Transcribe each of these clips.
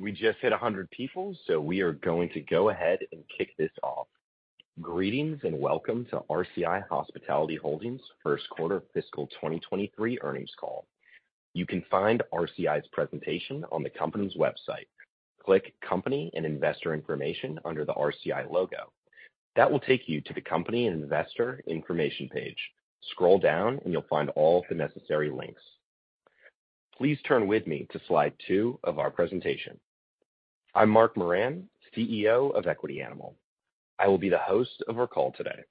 We just hit 100 people, so we are going to go ahead and kick this off. Greetings and welcome to RCI Hospitality Holdings first quarter fiscal 2023 earnings call. You can find RCI's presentation on the company's website. Click Company and Investor Information under the RCI logo. That will take you to the Company and Investor Information page. Scroll down and you'll find all of the necessary links. Please turn with me to slide 2 of our presentation. I'm Mark Moran, CEO of Equity Animal. I will be the host of our call today.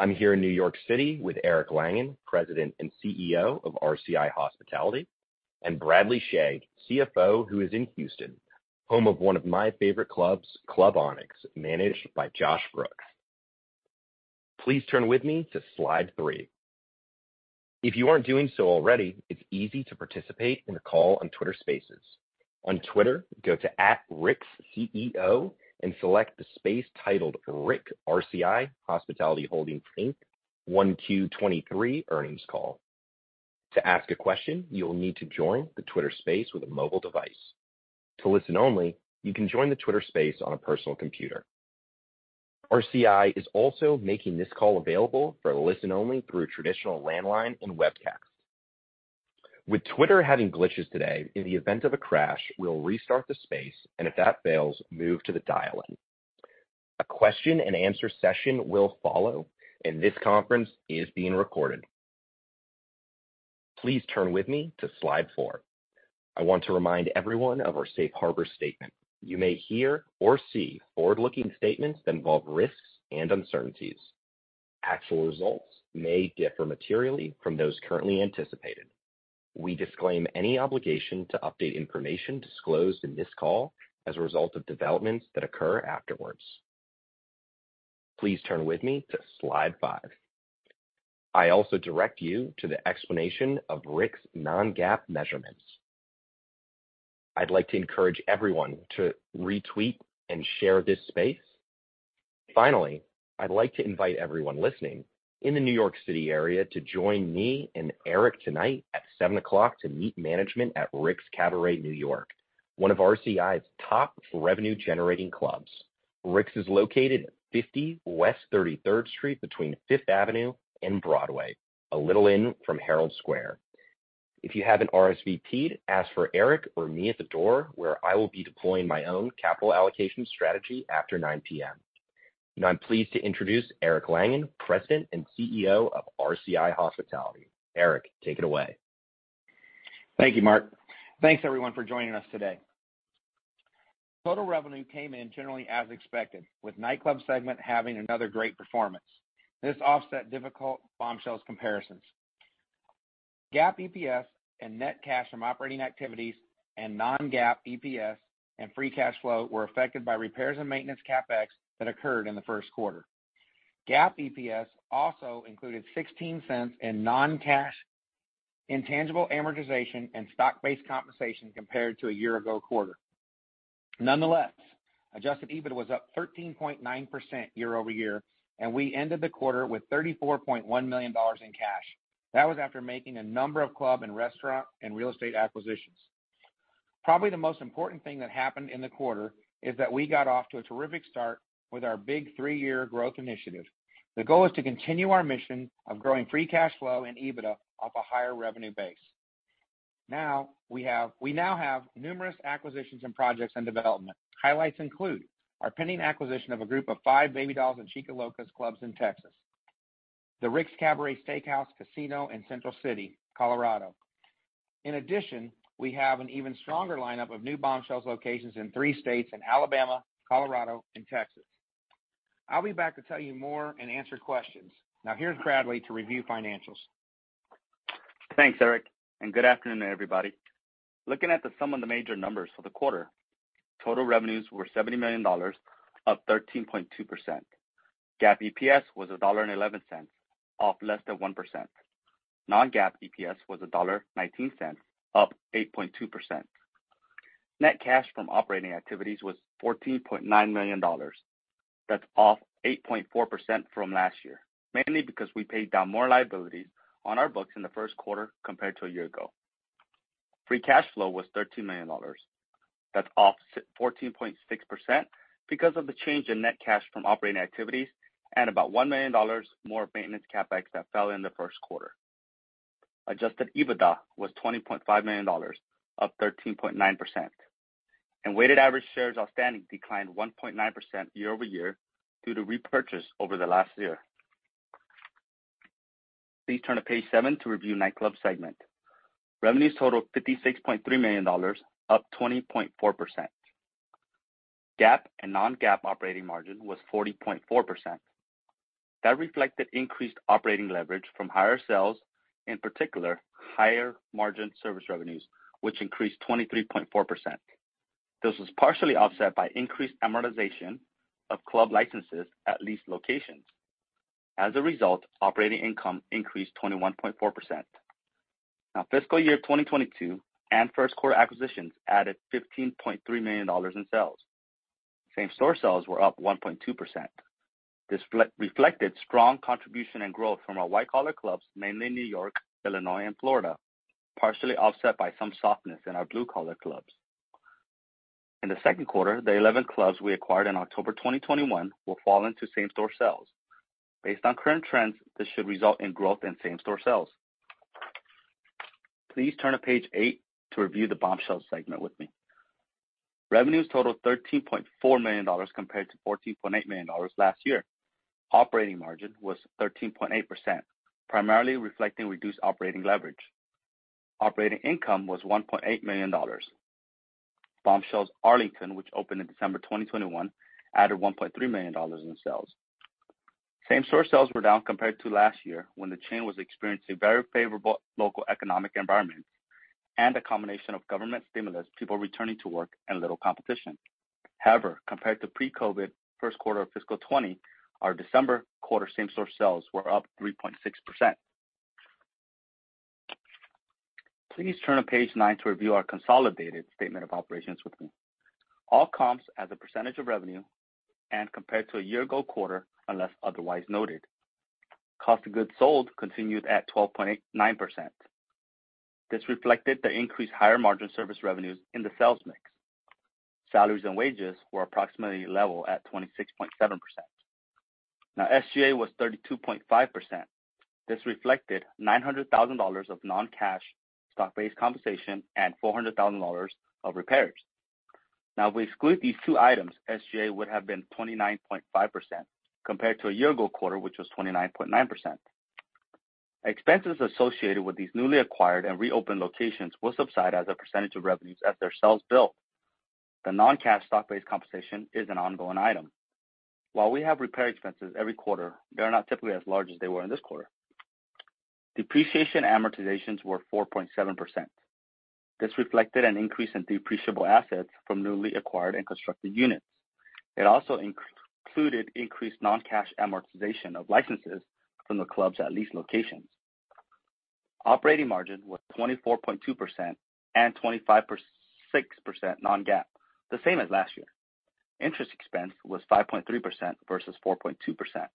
I'm here in New York City with Eric Langan, President and CEO of RCI Hospitality, and Bradley Chhay, CFO, who is in Houston, home of one of my favorite clubs, Club Onyx, managed by Josh Brooks. Please turn with me to slide 3. If you aren't doing so already, it's easy to participate in a call on Twitter Spaces. On Twitter, go to @RicksCEO and select the space titled Rick RCI Hospitality Holdings, Inc. Q1 2023 earnings call. To ask a question, you will need to join the Twitter Space with a mobile device. To listen only, you can join the Twitter Space on a personal computer. RCI is also making this call available for a listen only through traditional landline and webcast. With Twitter having glitches today, in the event of a crash, we'll restart the space, and if that fails, move to the dial-in. A question and answer session will follow. This conference is being recorded. Please turn with me to slide 4. I want to remind everyone of our safe harbor statement. You may hear or see forward-looking statements that involve risks and uncertainties. Actual results may differ materially from those currently anticipated. We disclaim any obligation to update information disclosed in this call as a result of developments that occur afterwards. Please turn with me to slide 5. I also direct you to the explanation of RCI's non-GAAP measurements. I'd like to encourage everyone to retweet and share this space. Finally, I'd like to invite everyone listening in the New York City area to join me and Eric tonight at 7:00 P.M. to meet management at Rick's Cabaret New York, one of RCI's top revenue-generating clubs. Rick's is located at 50 West 33rd Street between 5th Avenue and Broadway, a little in from Herald Square. If you haven't RSVP, ask for Eric or me at the door, where I will be deploying my own capital allocation strategy after 9:00 P.M. I'm pleased to introduce Eric Langan, President and CEO of RCI Hospitality. Eric, take it away. Thank you, Mark. Thanks everyone for joining us today. Total revenue came in generally as expected, with nightclub segment having another great performance. This offset difficult Bombshells comparisons. GAAP EPS and net cash from operating activities and non-GAAP EPS and free cash flow were affected by repairs and maintenance CapEx that occurred in the first quarter. GAAP EPS also included $0.16 in non-cash intangible amortization and stock-based compensation compared to a year-ago quarter. Adjusted EBITDA was up 13.9% year-over-year, and we ended the quarter with $34.1 million in cash. That was after making a number of club and restaurant and real estate acquisitions. Probably the most important thing that happened in the quarter is that we got off to a terrific start with our big three-year growth initiative. The goal is to continue our mission of growing free cash flow and EBITDA off a higher revenue base. We now have numerous acquisitions and projects in development. Highlights include our pending acquisition of a group of 5 Baby Dolls and Chicas Locas clubs in Texas, the Rick's Cabaret Steakhouse & Casino in Central City, Colorado. We have an even stronger lineup of new Bombshells locations in 3 states in Alabama, Colorado, and Texas. I'll be back to tell you more and answer questions. Here's Bradley to review financials. Thanks, Eric, and good afternoon, everybody. Looking at the sum of the major numbers for the quarter, total revenues were $70 million, up 13.2%. GAAP EPS was $1.11, off less than 1%. Non-GAAP EPS was $1.19, up 8.2%. Net cash from operating activities was $14.9 million. That's off 8.4% from last year, mainly because we paid down more liabilities on our books in the first quarter compared to a year ago. Free cash flow was $13 million. That's off 14.6% because of the change in net cash from operating activities and about $1 million more maintenance CapEx that fell in the first quarter. Adjusted EBITDA was $20.5 million, up 13.9%. Weighted average shares outstanding declined 1.9% year-over-year due to repurchase over the last year. Please turn to page 7 to review nightclub segment. Revenues totaled $56.3 million, up 20.4%. GAAP and non-GAAP operating margin was 40.4%. That reflected increased operating leverage from higher sales, in particular higher margin service revenues, which increased 23.4%. This was partially offset by increased amortization of club licenses at leased locations. As a result, operating income increased 21.4%. Fiscal year 2022 and 1st quarter acquisitions added $15.3 million in sales. Same-store sales were up 1.2%. This reflected strong contribution and growth from our white collar clubs, mainly in New York, Illinois, and Florida, partially offset by some softness in our blue collar clubs. In the second quarter, the 11 clubs we acquired in October 2021 will fall into same-store sales. Based on current trends, this should result in growth in same-store sales. Please turn to page 8 to review the Bombshells segment with me. Revenues totaled $13.4 million compared to $14.8 million last year. Operating margin was 13.8%, primarily reflecting reduced operating leverage. Operating income was $1.8 million. Bombshells Arlington, which opened in December 2021, added $1.3 million in sales. Same-store sales were down compared to last year when the chain was experiencing very favorable local economic environment and a combination of government stimulus, people returning to work, and little competition. However, compared to pre-COVID first quarter of fiscal 20, our December quarter same-store sales were up 3.6%. Please turn to page 9 to review our consolidated statement of operations with me. All comps as a percentage of revenue and compared to a year-ago quarter, unless otherwise noted. Cost of Goods Sold continued at 12.9%. This reflected the increased higher margin service revenues in the sales mix. Salaries and wages were approximately level at 26.7%. SGA was 32.5%. This reflected $900,000 of non-cash stock-based compensation and $400,000 of repairs. If we exclude these two items, SGA would have been 29.5% compared to a year-ago quarter, which was 29.9%. Expenses associated with these newly acquired and reopened locations will subside as a % of revenues as their sales build. The non-cash stock-based compensation is an ongoing item. While we have repair expenses every quarter, they are not typically as large as they were in this quarter. Depreciation amortizations were 4.7%. This reflected an increase in depreciable assets from newly acquired and constructed units. It also included increased non-cash amortization of licenses from the clubs at leased locations. Operating margin was 24.2% and 25.6% non-GAAP, the same as last year. Interest expense was 5.3% versus 4.2%.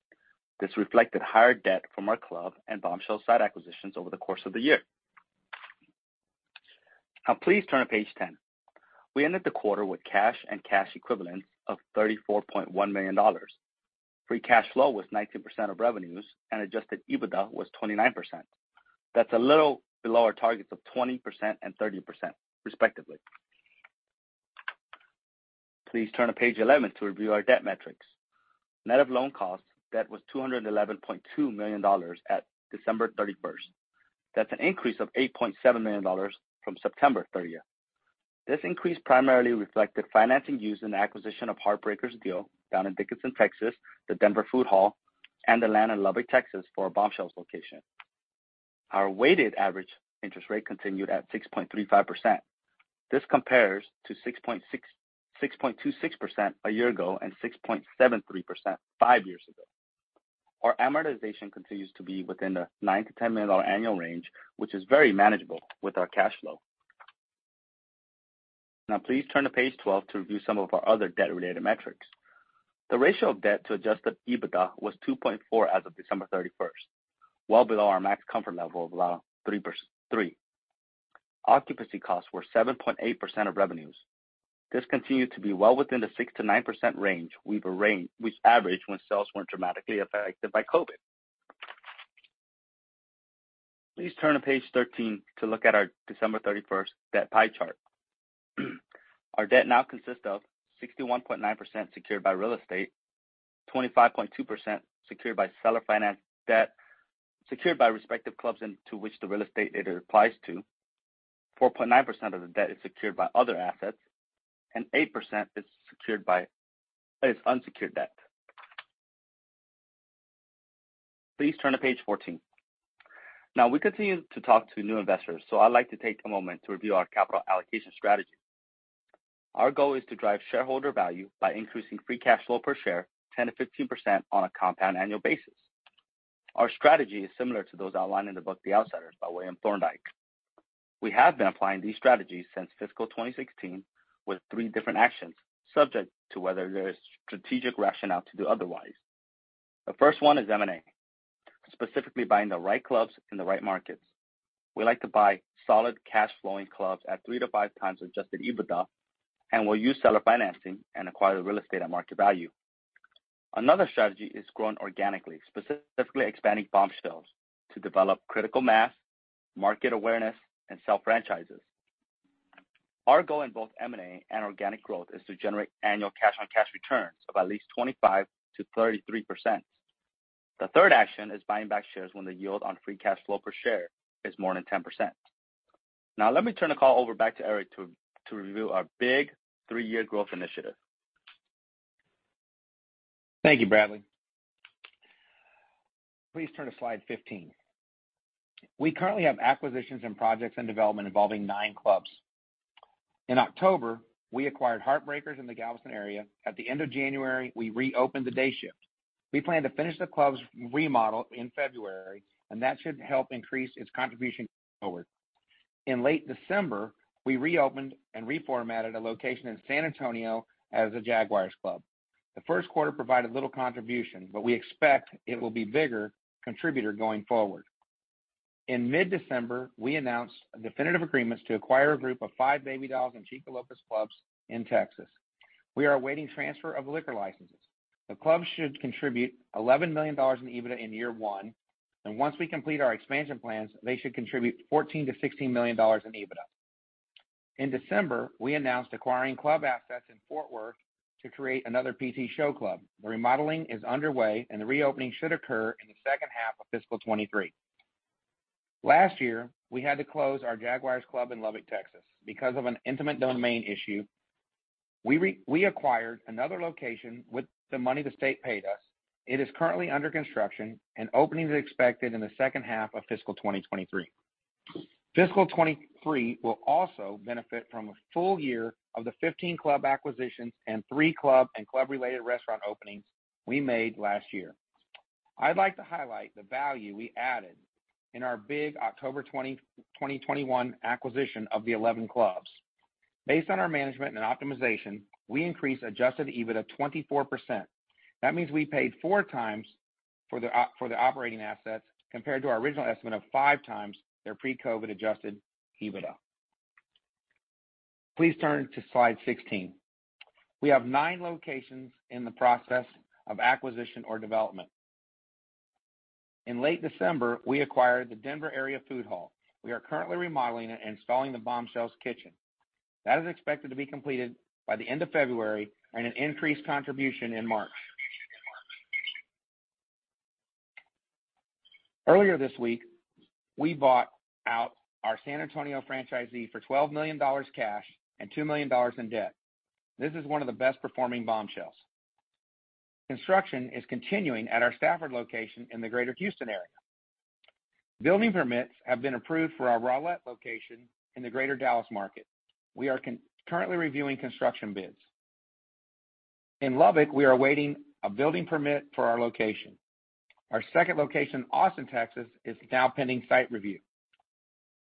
This reflected higher debt from our club and Bombshells site acquisitions over the course of the year. Now please turn to page 10. We ended the quarter with cash and cash equivalents of $34.1 million. Free cash flow was 19% of revenues, and adjusted EBITDA was 29%. That's a little below our targets of 20% and 30%, respectively. Please turn to page 11 to review our debt metrics. Net of loan costs, debt was $211.2 million at December 31st. That's an increase of $8.7 million from September 30th. This increase primarily reflected financing used in the acquisition of Heartbreakers down in Dickinson, Texas, the Denver Food Hall, and the land in Lubbock, Texas, for a Bombshells location. Our weighted average interest rate continued at 6.35%. This compares to 6.6-6.26% a year ago and 6.73% five years ago. Our amortization continues to be within the $9 million-$10 million annual range, which is very manageable with our cash flow. Please turn to page 12 to review some of our other debt-related metrics. The ratio of debt to adjusted EBITDA was 2.4 as of December 31st, well below our max comfort level of allow 3. Occupancy costs were 7.8% of revenues. This continued to be well within the 6%-9% range we've averaged when sales weren't dramatically affected by COVID. Please turn to page 13 to look at our December 31st debt pie chart. Our debt now consists of 61.9% secured by real estate, 25.2% secured by seller financed debt secured by respective clubs into which the real estate data applies to. 4.9% of the debt is secured by other assets, and 8% is unsecured debt. Please turn to page 14. We continue to talk to new investors. I'd like to take a moment to review our capital allocation strategy. Our goal is to drive shareholder value by increasing free cash flow per share 10%-15% on a compound annual basis. Our strategy is similar to those outlined in the book The Outsiders by William Thorndike. We have been applying these strategies since fiscal 2016 with three different actions, subject to whether there is strategic rationale to do otherwise. The first one is M&A, specifically buying the right clubs in the right markets. We like to buy solid cash flowing clubs at 3x-5x adjusted EBITDA. We'll use seller financing and acquire real estate at market value. Another strategy is growing organically, specifically expanding Bombshells to develop critical mass, market awareness, and sell franchises. Our goal in both M&A and organic growth is to generate annual cash-on-cash returns of at least 25%-33%. The third action is buying back shares when the yield on free cash flow per share is more than 10%. Let me turn the call over back to Eric to review our big 3-year growth initiative. Thank you, Bradley. Please turn to slide 15. We currently have acquisitions and projects in development involving 9 clubs. In October, we acquired Heartbreakers in the Galveston area. At the end of January, we reopened the day shift. We plan to finish the club's remodel in February. That should help increase its contribution going forward. In late December, we reopened and reformatted a location in San Antonio as a Jaguars Club. The first quarter provided little contribution. We expect it will be bigger contributor going forward. In mid-December, we announced definitive agreements to acquire a group of 5 Baby Dolls and Chicas Locas clubs in Texas. We are awaiting transfer of liquor licenses. The clubs should contribute $11 million in EBITDA in year one. Once we complete our expansion plans, they should contribute $14 million-$16 million in EBITDA. In December, we announced acquiring club assets in Fort Worth to create another PT's Showclub. The remodeling is underway, and the reopening should occur in the second half of fiscal 23. Last year, we had to close our Jaguars Club in Lubbock, Texas, because of an eminent domain issue. We acquired another location with the money the state paid us. It is currently under construction and opening is expected in the second half of fiscal 2023. Fiscal 23 will also benefit from a full year of the 15 club acquisitions and 3 club and club-related restaurant openings we made last year. I'd like to highlight the value we added in our big October 20, 2021 acquisition of the 11 clubs. Based on our management and optimization, we increased adjusted EBITDA 24%. That means we paid 4 times for the operating assets, compared to our original estimate of 5 times their pre-COVID adjusted EBITDA. Please turn to slide 16. We have 9 locations in the process of acquisition or development. In late December, we acquired the Denver area food hall. We are currently remodeling and installing the Bombshells kitchen. That is expected to be completed by the end of February and an increased contribution in March. Earlier this week, we bought out our San Antonio franchisee for $12 million cash and $2 million in debt. This is one of the best-performing Bombshells. Construction is continuing at our Stafford location in the Greater Houston area. Building permits have been approved for our Rowlett location in the Greater Dallas market. We are currently reviewing construction bids. In Lubbock, we are awaiting a building permit for our location. Our second location, Austin, Texas, is now pending site review.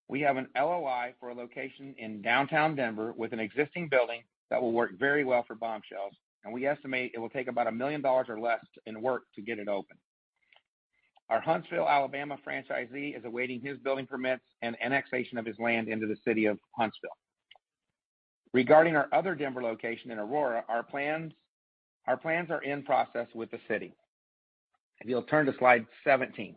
We have an LOI for a location in downtown Denver with an existing building that will work very well for Bombshells. We estimate it will take about $1 million or less in work to get it open. Our Huntsville, Alabama franchisee is awaiting his building permits and annexation of his land into the city of Huntsville. Regarding our other Denver location in Aurora, our plans are in process with the city. If you'll turn to slide 17.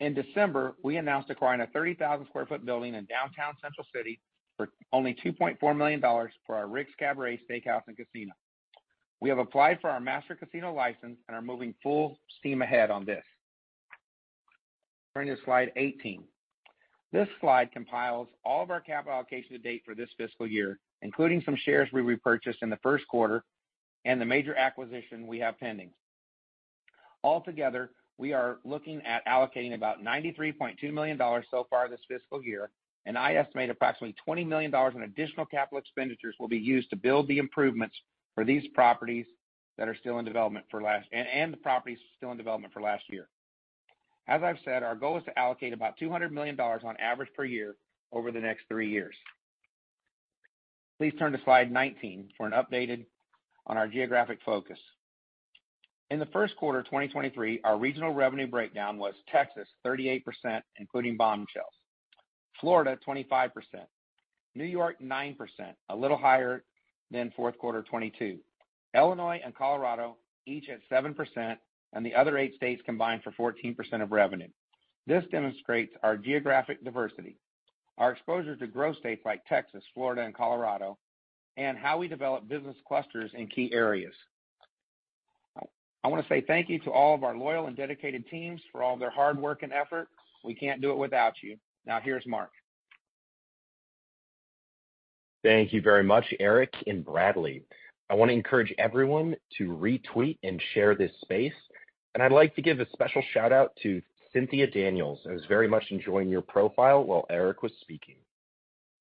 In December, we announced acquiring a 30,000 sq ft building in downtown Central City for only $2.4 million for our Rick's Cabaret Steakhouse and Casino. We have applied for our master casino license. We are moving full steam ahead on this. Turn to slide 18. This slide compiles all of our capital allocations to date for this fiscal year, including some shares we repurchased in the first quarter and the major acquisition we have pending. Altogether, we are looking at allocating about $93.2 million so far this fiscal year, and I estimate approximately $20 million in additional capital expenditures will be used to build the improvements for these properties that are still in development for last. The properties still in development for last year. As I've said, our goal is to allocate about $200 million on average per year over the next three years. Please turn to slide 19 for an updated on our geographic focus. In the first quarter of 2023, our regional revenue breakdown was Texas, 38%, including Bombshells. Florida, 25%. New York, 9%, a little higher than fourth quarter 2022. Illinois and Colorado, each at 7%, and the other eight states combined for 14% of revenue. This demonstrates our geographic diversity, our exposure to growth states like Texas, Florida, and Colorado, and how we develop business clusters in key areas. I wanna say thank you to all of our loyal and dedicated teams for all their hard work and effort. We can't do it without you. Here's Mark. Thank you very much, Eric and Bradley. I wanna encourage everyone to retweet and share this space, and I'd like to give a special shout-out to Cynthia Daniels. I was very much enjoying your profile while Eric was speaking.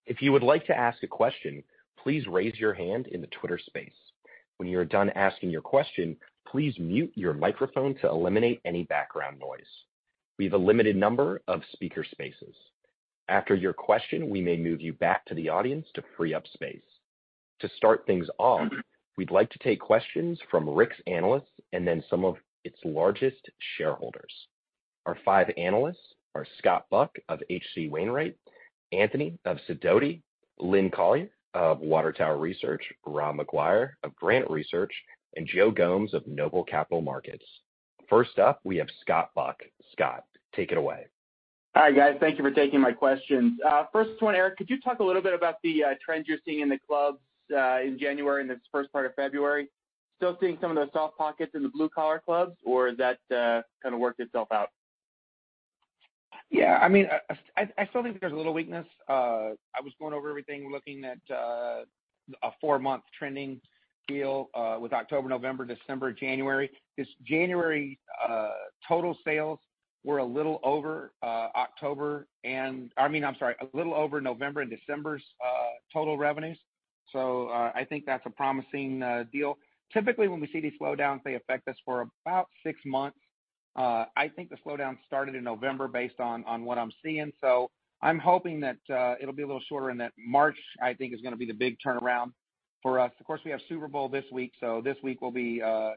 If you would like to ask a question, please raise your hand in the Twitter Spaces. When you are done asking your question, please mute your microphone to eliminate any background noise. We have a limited number of speaker spaces. After your question, we may move you back to the audience to free up space. To start things off, we'd like to take questions from Rick's analysts and then some of its largest shareholders. Our five analysts are Scott Buck of H.C. Wainwright, Anthony of Sidoti, Lynne Collier of Water Tower Research, Rob McGuire of Granite Research, and Joe Gomes of Noble Capital Markets. First up, we have Scott Buck. Scott, take it away. All right, guys. Thank you for taking my questions. First one, Eric, could you talk a little bit about the trends you're seeing in the clubs in January and this first part of February? Still seeing some of those soft pockets in the blue-collar clubs, or has that kinda worked itself out? Yeah, I mean, I still think there's a little weakness. I was going over everything looking at a four-month trending deal with October, November, December, January. This January, total sales were a little over November and December's total revenues. I think that's a promising deal. Typically, when we see these slowdowns, they affect us for about six months. I think the slowdown started in November based on what I'm seeing. I'm hoping that it'll be a little shorter, and that March, I think, is gonna be the big turnaround for us. Of course, we have Super Bowl this week, this week will be, you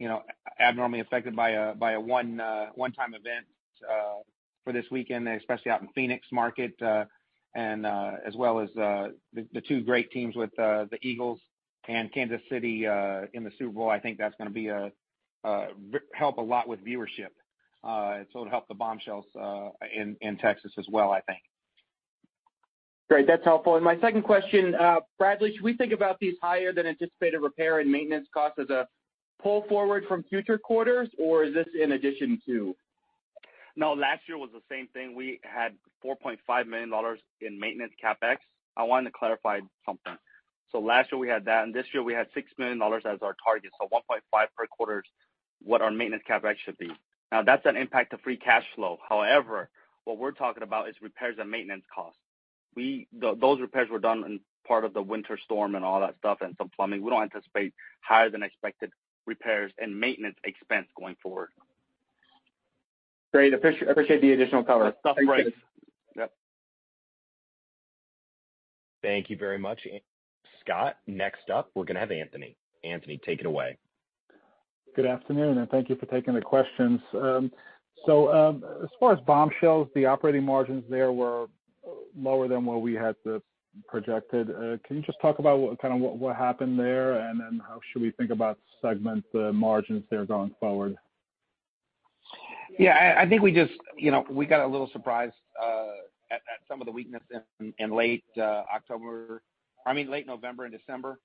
know, abnormally affected by a one-time event for this weekend, especially out in Phoenix market, as well as the two great teams with the Eagles and Kansas City in the Super Bowl. I think that's gonna be a help a lot with viewership. It'll help the Bombshells in Texas as well, I think. Great. That's helpful. My second question, Bradley, should we think about these higher than anticipated repair and maintenance costs as a pull forward from future quarters, or is this in addition to? Last year was the same thing. We had $4.5 million in maintenance CapEx. I want to clarify something. Last year we had that. This year we had $6 million as our target. $1.5 per quarter is what our maintenance CapEx should be. That's an impact to free cash flow. However, what we're talking about is repairs and maintenance costs. Those repairs were done in part of the winter storm and all that stuff and some plumbing. We don't anticipate higher than expected repairs and maintenance expense going forward. Great. Appreciate the additional color. That's right. Yep. Thank you very much, Scott. Next up, we're gonna have Anthony. Anthony, take it away. Good afternoon, thank you for taking the questions. As far as Bombshells, the operating margins there were lower than what we had projected. Can you just talk about what happened there, how should we think about segment margins there going forward? I think we just, you know, we got a little surprised at some of the weakness in late October. I mean, late November and December.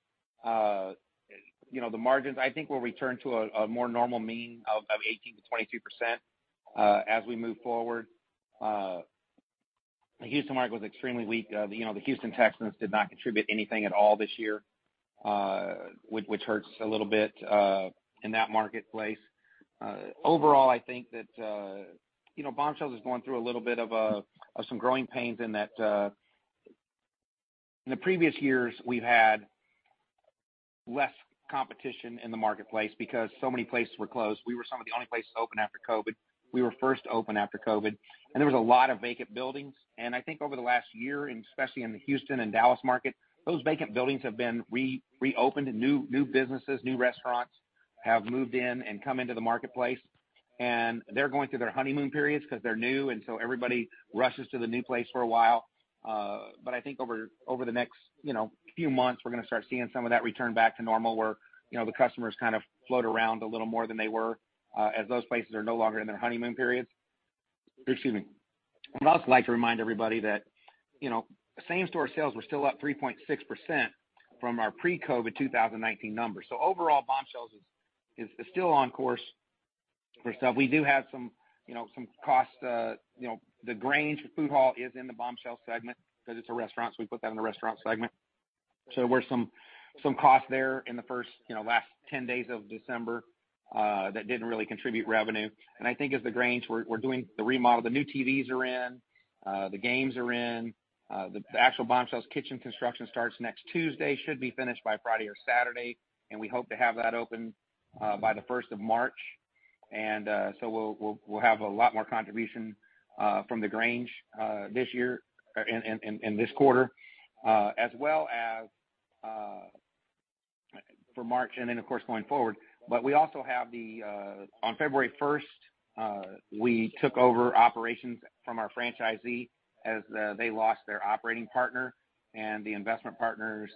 You know, the margins, I think, will return to a more normal mean of 18% to 22% as we move forward. The Houston market was extremely weak. You know, the Houston Texans did not contribute anything at all this year, which hurts a little bit in that marketplace. Overall, I think that, you know, Bombshells is going through a little bit of some growing pains in that in the previous years, we've had less competition in the marketplace because so many places were closed. We were some of the only places open after COVID. We were first open after COVID, there was a lot of vacant buildings. I think over the last year, especially in the Houston and Dallas market, those vacant buildings have been reopened and new businesses, new restaurants have moved in and come into the marketplace. They're going through their honeymoon periods because they're new, so everybody rushes to the new place for a while. I think over the next, you know, few months, we're gonna start seeing some of that return back to normal where, you know, the customers kind of float around a little more than they were as those places are no longer in their honeymoon periods. Excuse me. I'd also like to remind everybody that, you know, same-store sales were still up 3.6% from our pre-COVID 2019 numbers. Overall, Bombshells is still on course for itself. We do have some, you know, costs. You know, the Grange Food Hall is in the Bombshells segment because it's a restaurant. We put that in the restaurant segment. There were some costs there in the first, you know, last 10 days of December that didn't really contribute revenue. I think as the Grange, we're doing the remodel. The new TVs are in, the games are in. The actual Bombshells kitchen construction starts next Tuesday. Should be finished by Friday or Saturday, and we hope to have that open by the 1st of March. We'll have a lot more contribution from the Grange this year in this quarter as well as for March and then, of course, going forward. We also have the. On February first, we took over operations from our franchisee as they lost their operating partner and the investment partners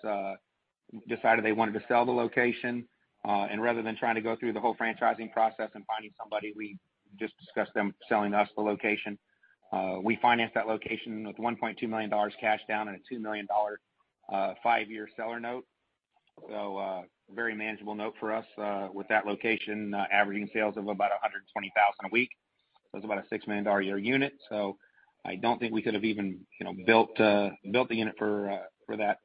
decided they wanted to sell the location. Rather than trying to go through the whole franchising process and finding somebody, we just discussed them selling us the location. We financed that location with $1.2 million cash down and a $2 million 5-year seller note. Very manageable note for us with that location averaging sales of about 120,000 a week. It's about a $6 million a year unit. I don't think we could have even, you know, built the unit for that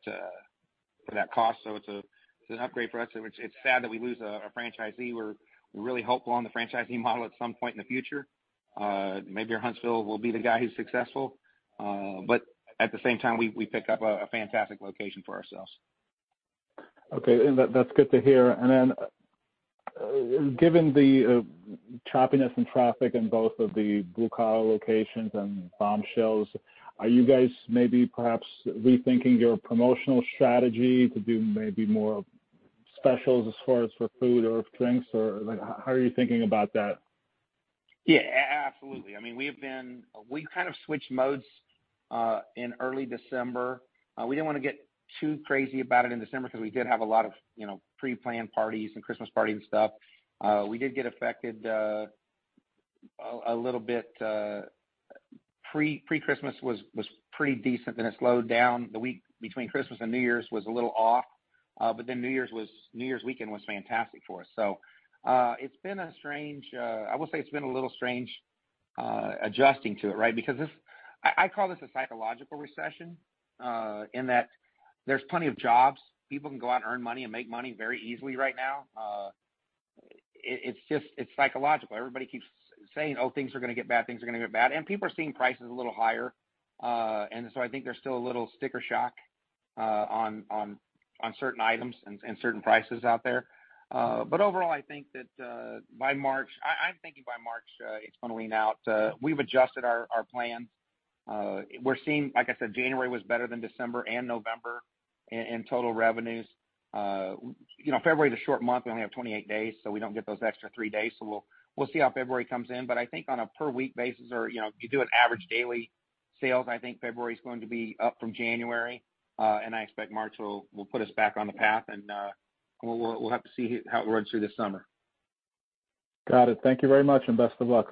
cost. It's a, it's an upgrade for us. It's, it's sad that we lose a franchisee. We're, we're really hopeful on the franchisee model at some point in the future. Maybe our Huntsville will be the guy who's successful. At the same time, we pick up a fantastic location for ourselves. Okay. That, that's good to hear. Then, given the choppiness in traffic in both of the Blue Collar locations and Bombshells, are you guys maybe perhaps rethinking your promotional strategy to do maybe more specials as far as for food or drinks? Like, how are you thinking about that? Yeah, absolutely. I mean, we kind of switched modes in early December. We didn't wanna get too crazy about it in December because we did have a lot of, you know, pre-planned parties and Christmas parties and stuff. We did get affected a little bit. Pre-Christmas was pretty decent, then it slowed down. The week between Christmas and New Year's was a little off, but then New Year's weekend was fantastic for us. It's been a strange. I will say it's been a little strange adjusting to it, right? I call this a psychological recession in that there's plenty of jobs. People can go out and earn money and make money very easily right now. It's just, it's psychological. ying, "Oh, things are going to get bad, things are going to get bad." And people are seeing prices a little higher. And so I think there's still a little sticker shock on certain items and certain prices out there. But overall, I think that by March, I'm thinking by March, it's going to lean out. We've adjusted our plans. We're seeing, like I said, January was better than December and November in total revenues. February is a short month. We only have 28 days, so we don't get those extra 3 days. So we'll see how February comes in. But I think on a per week basis or, you know, if you do an average daily sales, I think February is going to be up from January. I expect March will put us back on the path and we'll have to see how it runs through the summer. Got it. Thank you very much, and best of luck.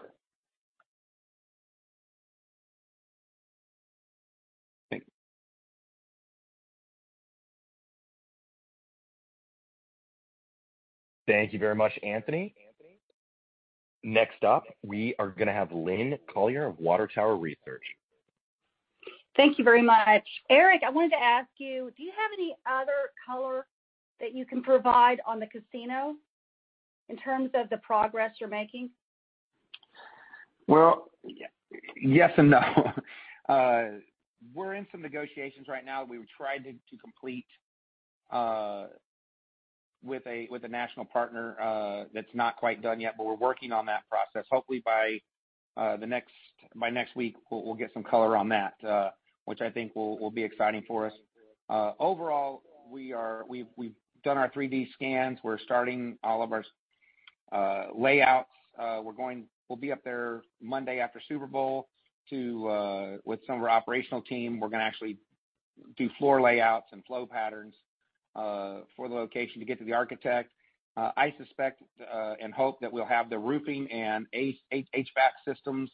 Thank you. Thank you very much, Anthony. Next up, we are gonna have Lynne Collier of Water Tower Research. Thank you very much. Eric, I wanted to ask you, do you have any other color that you can provide on the casino in terms of the progress you're making? Well, yes and no. We're in some negotiations right now. We were trying to complete with a national partner that's not quite done yet, but we're working on that process. Hopefully by next week, we'll get some color on that, which I think will be exciting for us. Overall, we've done our 3D scans. We're starting all of our layouts. We'll be up there Monday after Super Bowl to with some of our operational team. We're going to actually do floor layouts and flow patterns for the location to get to the architect. I suspect and hope that we'll have the roofing and HVAC systems,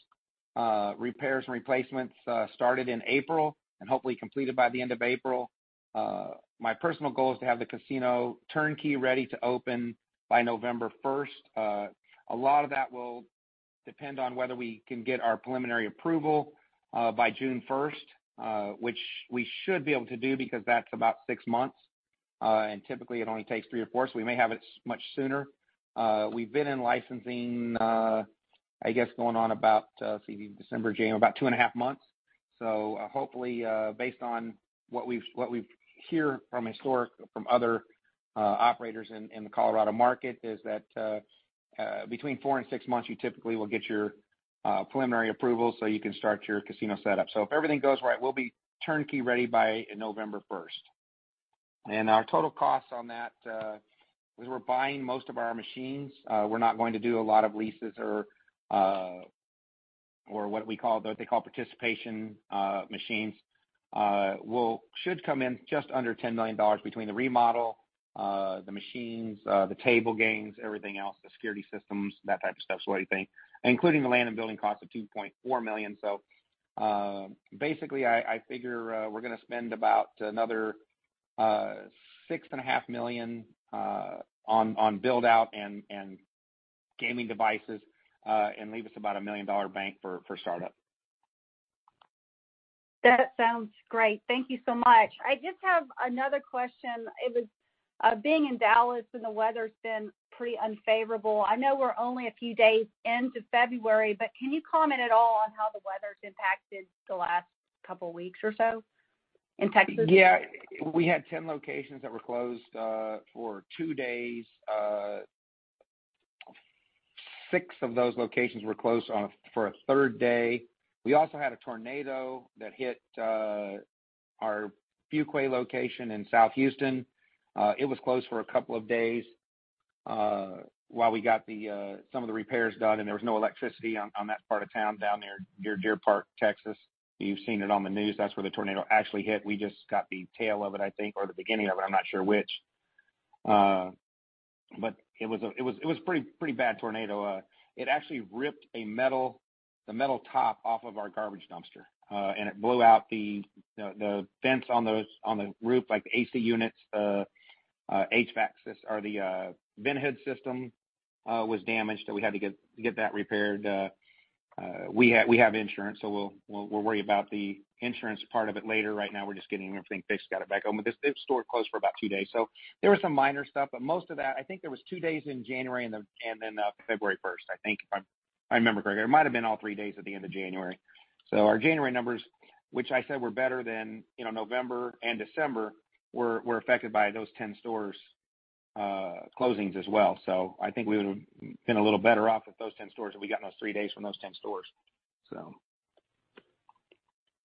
repairs and replacements, started in April, and hopefully completed by the end of April. My personal goal is to have the casino turnkey, ready to open by November 1st. A lot of that will depend on whether we can get our preliminary approval by June 1st, which we should be able to do because that's about six months. Typically it only takes three or four. We may have it much sooner. We've been in licensing, I guess, going on about December, January, about two and a half months. Hopefully, based on what we hear from other operators in the Colorado market is that between four and six months, you typically will get your preliminary approval, so you can start your casino setup. If everything goes right, we'll be turnkey ready by November 1st. Our total cost on that, as we're buying most of our machines, we're not going to do a lot of leases or what they call participation machines, should come in just under $10 million between the remodel, the machines, the table games, everything else, the security systems, that type of stuff, so everything, including the land and building cost of $2.4 million. Basically, I figure, we're gonna spend about another $6.5 million on build out and gaming devices, and leave us about a million-dollar bank for startup. That sounds great. Thank you so much. I just have another question. It was being in Dallas, and the weather's been pretty unfavorable. I know we're only a few days into February, but can you comment at all on how the weather's impacted the last couple weeks or so in Texas? Yeah. We had 10 locations that were closed for two days. Six of those locations were closed for a third day. We also had a tornado that hit our Fuqua location in South Houston. It was closed for a couple of days while we got some of the repairs done. There was no electricity on that part of town down there, near Deer Park, Texas. You've seen it on the news. That's where the tornado actually hit. We just got the tail of it, I think, or the beginning of it. I'm not sure which. It was pretty bad tornado. It actually ripped a metal, the metal top off of our garbage dumpster, and it blew out the fence on the roof, like the AC units, HVAC system or the vent hood system was damaged, and we had to get that repaired. We have insurance, so we'll worry about the insurance part of it later. Right now, we're just getting everything fixed, got it back open. This store closed for about two days. There was some minor stuff, but most of that, I think there was two days in January and then, and then, February 1st, I think, if I remember correctly. It might have been all three days at the end of January. Our January numbers, which I said were better than, you know, November and December, were affected by those 10 stores, closings as well. I think we would have been a little better off with those 10 stores if we got those 3 days from those 10 stores.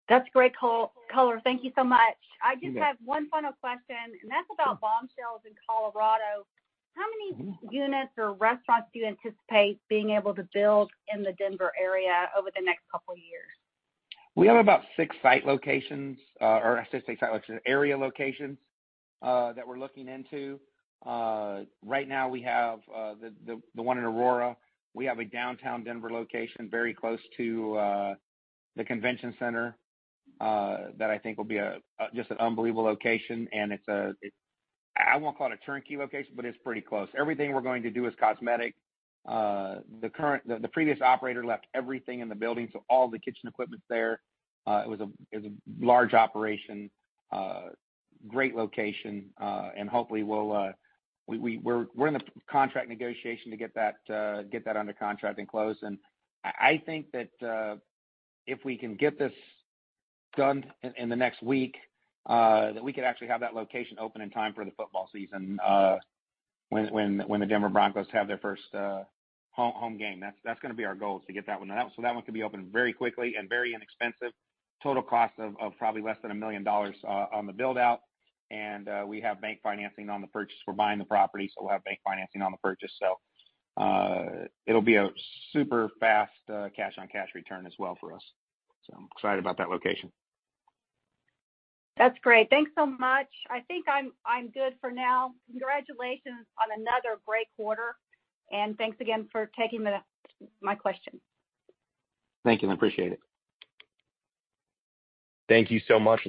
That's great color. Thank you so much. You bet. I just have one final question, and that's about Bombshells in Colorado. How many units or restaurants do you anticipate being able to build in the Denver area over the next couple of years? We have about six site locations, or I should say site locations, area locations, that we're looking into. Right now, we have the one in Aurora. We have a downtown Denver location very close to the convention center, that I think will be a just an unbelievable location. I won't call it a turnkey location, but it's pretty close. Everything we're going to do is cosmetic. The previous operator left everything in the building, so all the kitchen equipment's there. It was a large operation, great location, and hopefully we'll, we're in the contract negotiation to get that, get that under contract and closed. I think that if we can get this done in the next week, that we could actually have that location open in time for the football season, when the Denver Broncos have their first home game. That's gonna be our goal is to get that one out. That one can be opened very quickly and very inexpensive. Total cost of probably less than $1 million on the build-out. We have bank financing on the purchase. We're buying the property, so we'll have bank financing on the purchase. It'll be a super fast cash on cash return as well for us. I'm excited about that location. That's great. Thanks so much. I think I'm good for now. Congratulations on another great quarter. Thanks again for taking my questions. Thank you. I appreciate it. Thank you so much,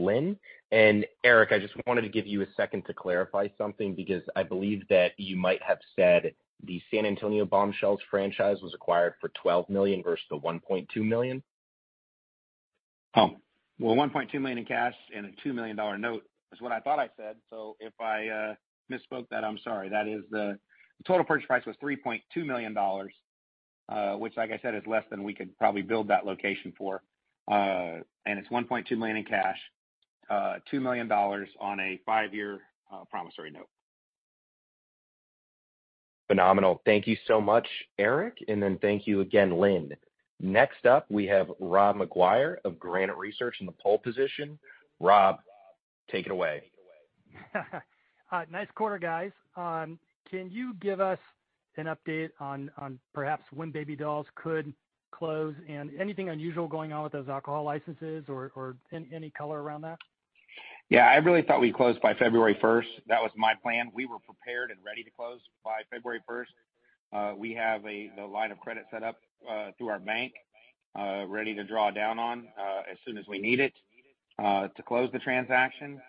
Lynne. Eric, I just wanted to give you a second to clarify something because I believe that you might have said the San Antonio Bombshells franchise was acquired for $12 million versus the $1.2 million. Well, $1.2 million in cash and a $2 million note is what I thought I said. If I misspoke that, I'm sorry. That is the total purchase price was $3.2 million, which like I said, is less than we could probably build that location for. It's $1.2 million in cash, $2 million on a 5-year promissory note. Phenomenal. Thank you so much, Eric, and then thank you again, Lynn. Next up, we have Rob McGuire of Granite Research in the pole position. Rob, take it away. Nice quarter, guys. Can you give us an update on perhaps when Baby Dolls could close and anything unusual going on with those alcohol licenses or any color around that? I really thought we closed by February first. That was my plan. We were prepared and ready to close by February first. We have the line of credit set up through our bank, ready to draw down on as soon as we need it to close the transaction.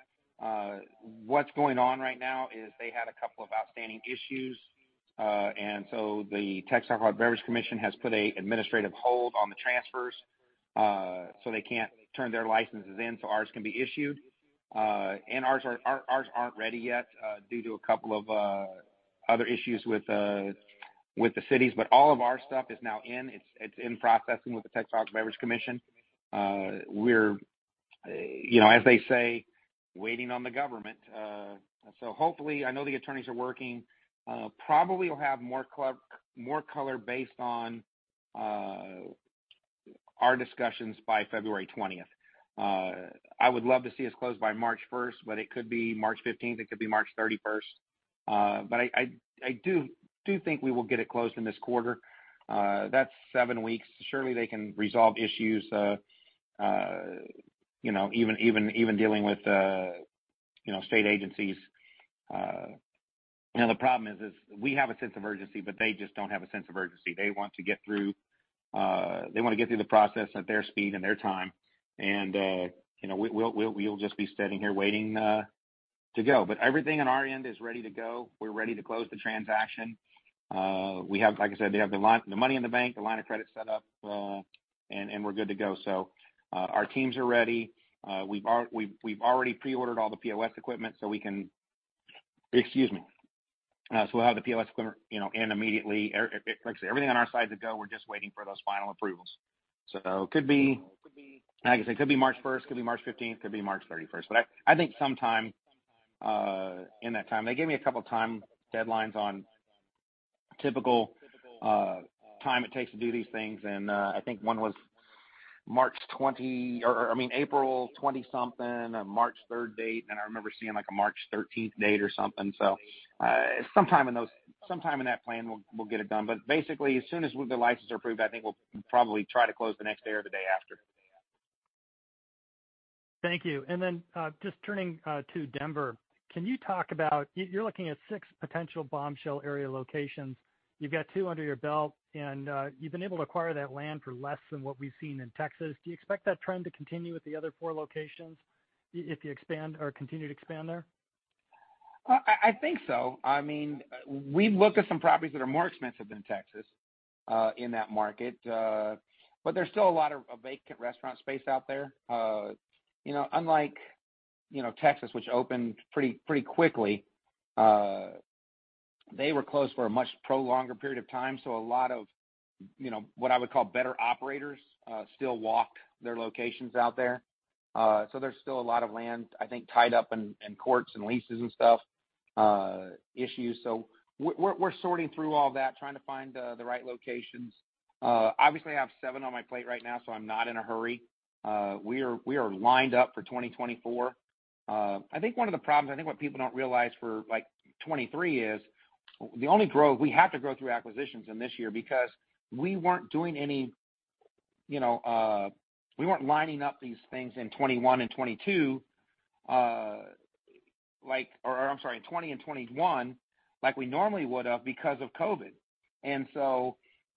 What's going on right now is they had a couple of outstanding issues. The Texas Alcoholic Beverage Commission has put a administrative hold on the transfers, so they can't turn their licenses in, so ours can be issued. Ours are, our, ours aren't ready yet due to a couple of other issues with the cities. All of our stuff is now in. It's in processing with the Texas Alcoholic Beverage Commission. We're, you know, as they say, waiting on the government. Hopefully, I know the attorneys are working. Probably we'll have more color based on our discussions by February 20th. I would love to see us close by March 1st, but it could be March 15th, it could be March 31st. I do think we will get it closed in this quarter. That's 7 weeks. Surely they can resolve issues, you know, even dealing with, you know, state agencies. You know, the problem is, we have a sense of urgency, but they just don't have a sense of urgency. They want to get through, they wanna get through the process at their speed and their time. You know, we'll just be sitting here waiting to go. Everything on our end is ready to go. We're ready to close the transaction. We have, like I said, we have the money in the bank, the line of credit set up, and we're good to go. Our teams are ready. We've already pre-ordered all the POS equipment so we can... Excuse me. We'll have the POS equipment, you know, in immediately. Everything on our side is go. We're just waiting for those final approvals. Could be, like I said, could be March first, could be March fifteenth, could be March thirty-first. I think sometime in that time. They gave me a couple of time deadlines on typical time it takes to do these things. I think one was March 20-something or I mean April 20-something, a March 3rd date, and I remember seeing like a March 13th date or something. Sometime in that plan, we'll get it done. Basically, as soon as the licenses are approved, I think we'll probably try to close the next day or the day after. Thank you. Just turning to Denver, can you talk about... You're looking at 6 potential Bombshell area locations. You've got 2 under your belt, and you've been able to acquire that land for less than what we've seen in Texas. Do you expect that trend to continue with the other 4 locations if you expand or continue to expand there? I think so. I mean, we've looked at some properties that are more expensive than Texas, in that market. There's still a lot of vacant restaurant space out there. You know, unlike, you know, Texas, which opened pretty quickly, they were closed for a much longer period of time, so a lot of, you know, what I would call better operators, still walk their locations out there. There's still a lot of land, I think, tied up in courts and leases and stuff, issues. We're sorting through all that, trying to find the right locations. Obviously, I have seven on my plate right now, so I'm not in a hurry. We are lined up for 2024. I think one of the problems, I think what people don't realize for like 23 is, the only growth we have to grow through acquisitions in this year because we weren't doing any, you know, we weren't lining up these things in 21 and 22. I'm sorry, in 20 and 21 like we normally would have because of COVID.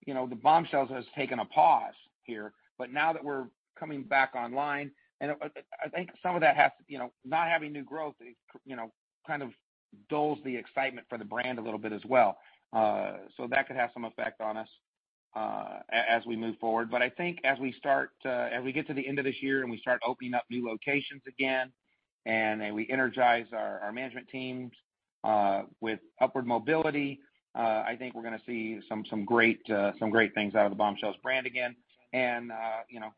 You know, the Bombshells has taken a pause here. Now that we're coming back online, and I think some of that has, you know, not having new growth, it, you know, kind of dulls the excitement for the brand a little bit as well. As we move forward. I think as we start, as we get to the end of this year and we start opening up new locations again, and we energize our management teams with upward mobility, I think we're gonna see great things out of the Bombshells brand again. You know,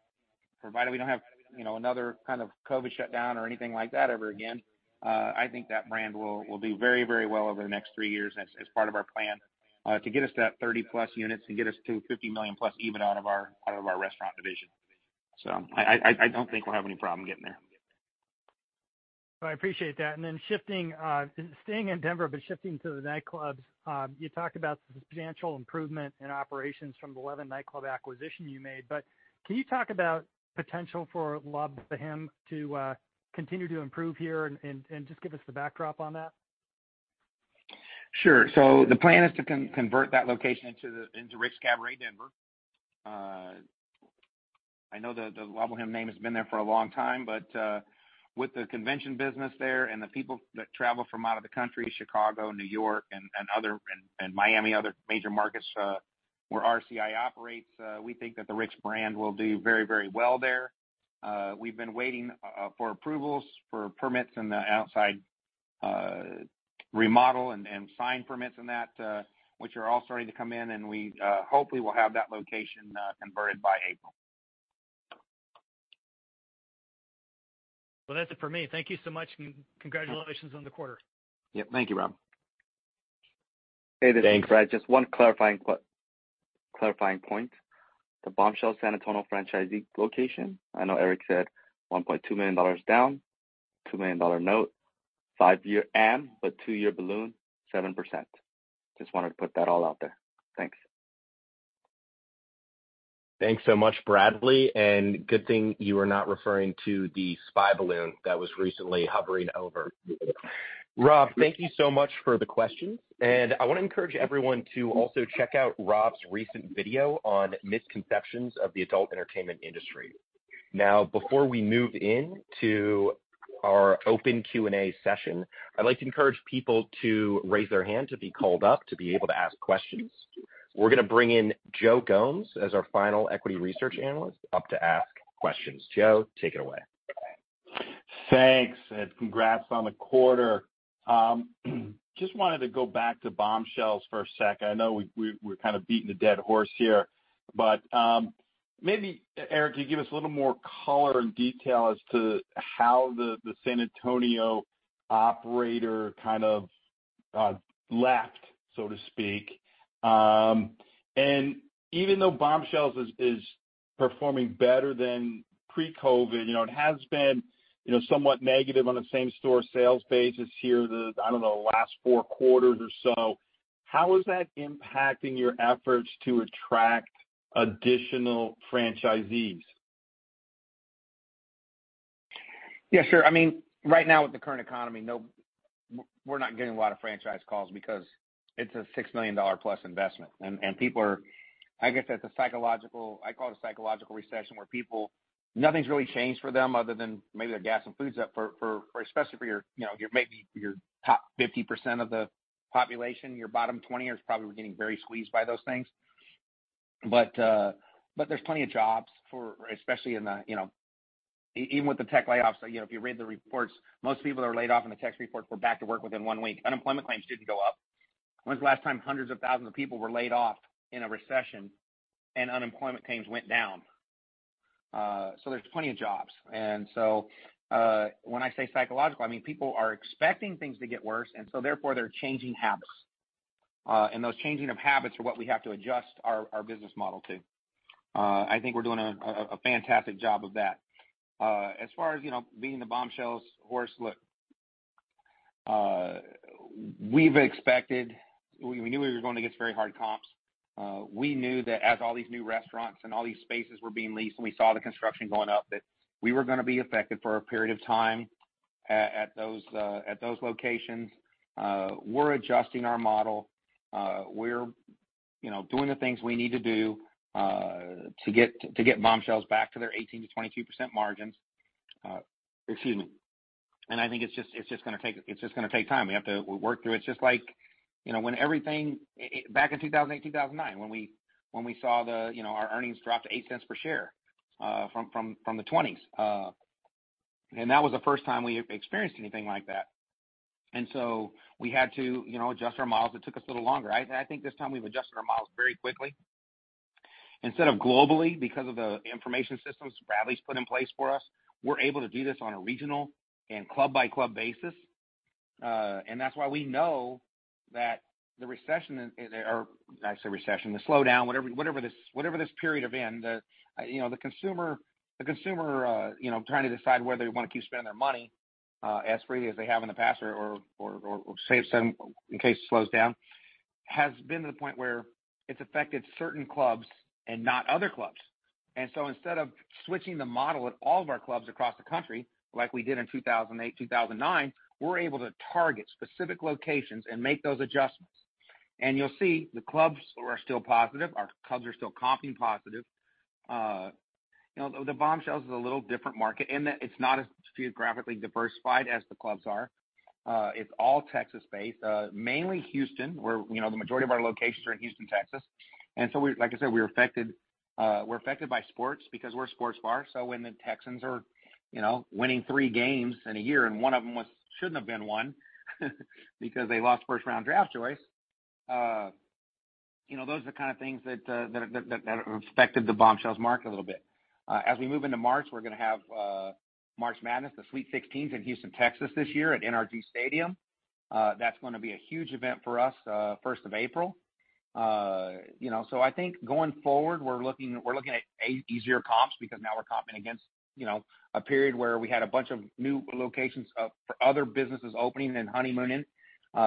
provided we don't have, you know, another kind of COVID shutdown or anything like that ever again, I think that brand will do very, very well over the next three years as part of our plan to get us to that 30+ units and get us to $50 million+ EBIT out of our restaurant division. I don't think we'll have any problem getting there. I appreciate that. Shifting, staying in Denver, but shifting to the nightclubs. You talked about the substantial improvement in operations from the Eleven nightclub acquisition you made, can you talk about potential for La Boheme to continue to improve here and just give us the backdrop on that? Sure. The plan is to convert that location into Rick's Cabaret Denver. I know the La Boheme name has been there for a long time, with the convention business there and the people that travel from out of the country, Chicago, New York and Miami, other major markets, where RCI operates, we think that the Rick's brand will do very, very well there. We've been waiting for approvals for permits in the outside remodel and sign permits and that, which are all starting to come in and we hopefully will have that location converted by April. That's it for me. Thank you so much and congratulations on the quarter. Yep. Thank you, Rob. Hey, this is Brad. Just one clarifying point. The Bombshells San Antonio franchisee location. I know Eric said $1.2 million down, $2 million note, 5-year AM, but 2-year balloon, 7%. Just wanted to put that all out there. Thanks. Thanks so much, Bradley. Good thing you are not referring to the spy balloon that was recently hovering over. Rob, thank you so much for the questions. I want to encourage everyone to also check out Rob's recent video on misconceptions of the adult entertainment industry. Before we move into our open Q&A session, I'd like to encourage people to raise their hand to be called up to be able to ask questions. We're gonna bring in Joe Gomes as our final equity research analyst up to ask questions. Joe, take it away. Thanks. Congrats on the quarter. Just wanted to go back to Bombshells for a sec. I know we're kind of beating a dead horse here, but maybe, Eric, can you give us a little more color and detail as to how the San Antonio operator kind of left, so to speak. Even though Bombshells is performing better than pre-COVID, you know, it has been, you know, somewhat negative on the same-store sales basis here, I don't know, the last four quarters or so. How is that impacting your efforts to attract additional franchisees? Yeah, sure. I mean, right now with the current economy, we're not getting a lot of franchise calls because it's a $6 million plus investment. People are... I guess that's a psychological... I call it a psychological recession where people, nothing's really changed for them other than maybe their gas and food's up for especially for your, you know, maybe your top 50% of the population. Your bottom 20 are probably getting very squeezed by those things. There's plenty of jobs for, especially in the, you know, even with the tech layoffs. You know, if you read the reports, most people that are laid off in the tech reports were back to work within 1 week. Unemployment claims didn't go up. When's the last time hundreds of thousands of people were laid off in a recession and unemployment claims went down? There's plenty of jobs. When I say psychological, I mean, people are expecting things to get worse, and so therefore, they're changing habits. Those changing of habits are what we have to adjust our business model to. I think we're doing a fantastic job of that. As far as, you know, beating the Bombshells horse, look, we knew we were going against very hard comps. We knew that as all these new restaurants and all these spaces were being leased and we saw the construction going up, that we were gonna be affected for a period of time at those locations. We're adjusting our model. We're, you know, doing the things we need to do to get Bombshells back to their 18%-22% margins. Excuse me. I think it's just gonna take time. We have to work through it. Just like, you know, when everything back in 2008, 2009, when we saw, you know, our earnings drop to $0.08 per share from the $0.20s. That was the first time we experienced anything like that. We had to, you know, adjust our models. It took us a little longer. I think this time we've adjusted our models very quickly. Instead of globally, because of the information systems Bradley's put in place for us, we're able to do this on a regional and club-by-club basis. That's why we know that the recession is, or I say, recession, the slowdown, whatever this, whatever this period of end, the, you know, the consumer, the consumer, you know, trying to decide whether they want to keep spending their money, as freely as they have in the past or save some in case it slows down, has been to the point where it's affected certain clubs and not other clubs. So instead of switching the model at all of our clubs across the country, like we did in 2008, 2009, we're able to target specific locations and make those adjustments. You'll see the clubs are still positive. Our clubs are still comping positive. You know, the Bombshells is a little different market in that it's not as geographically diversified as the clubs are. It's all Texas-based, mainly Houston, where, you know, the majority of our locations are in Houston, Texas. Like I said, we're affected, we're affected by sports because we're a sports bar. When the Texans are, you know, winning three games in a year, and one of them shouldn't have been won because they lost first-round draft choice. You know, those are the kind of things that affected the Bombshells market a little bit. As we move into March, we're gonna have March Madness, the Sweet Sixteen in Houston, Texas this year at NRG Stadium. That's gonna be a huge event for us, first of April. you know, I think going forward, we're looking at easier comps because now we're comping against, you know, a period where we had a bunch of new locations of other businesses opening and honeymooning,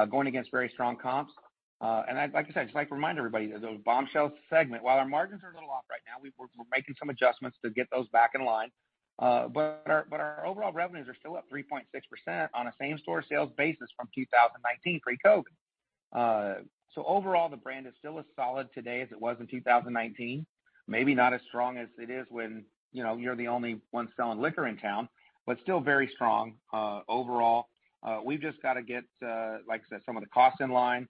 going against very strong comps. Like I said, just like to remind everybody that the Bombshells segment, while our margins are a little off right now, we're making some adjustments to get those back in line. Our overall revenues are still up 3.6% on a same-store sales basis from 2019 pre-COVID. Overall, the brand is still as solid today as it was in 2019. Maybe not as strong as it is when, you know, you're the only one selling liquor in town, but still very strong overall. We've just got to get, like I said, some of the costs in line.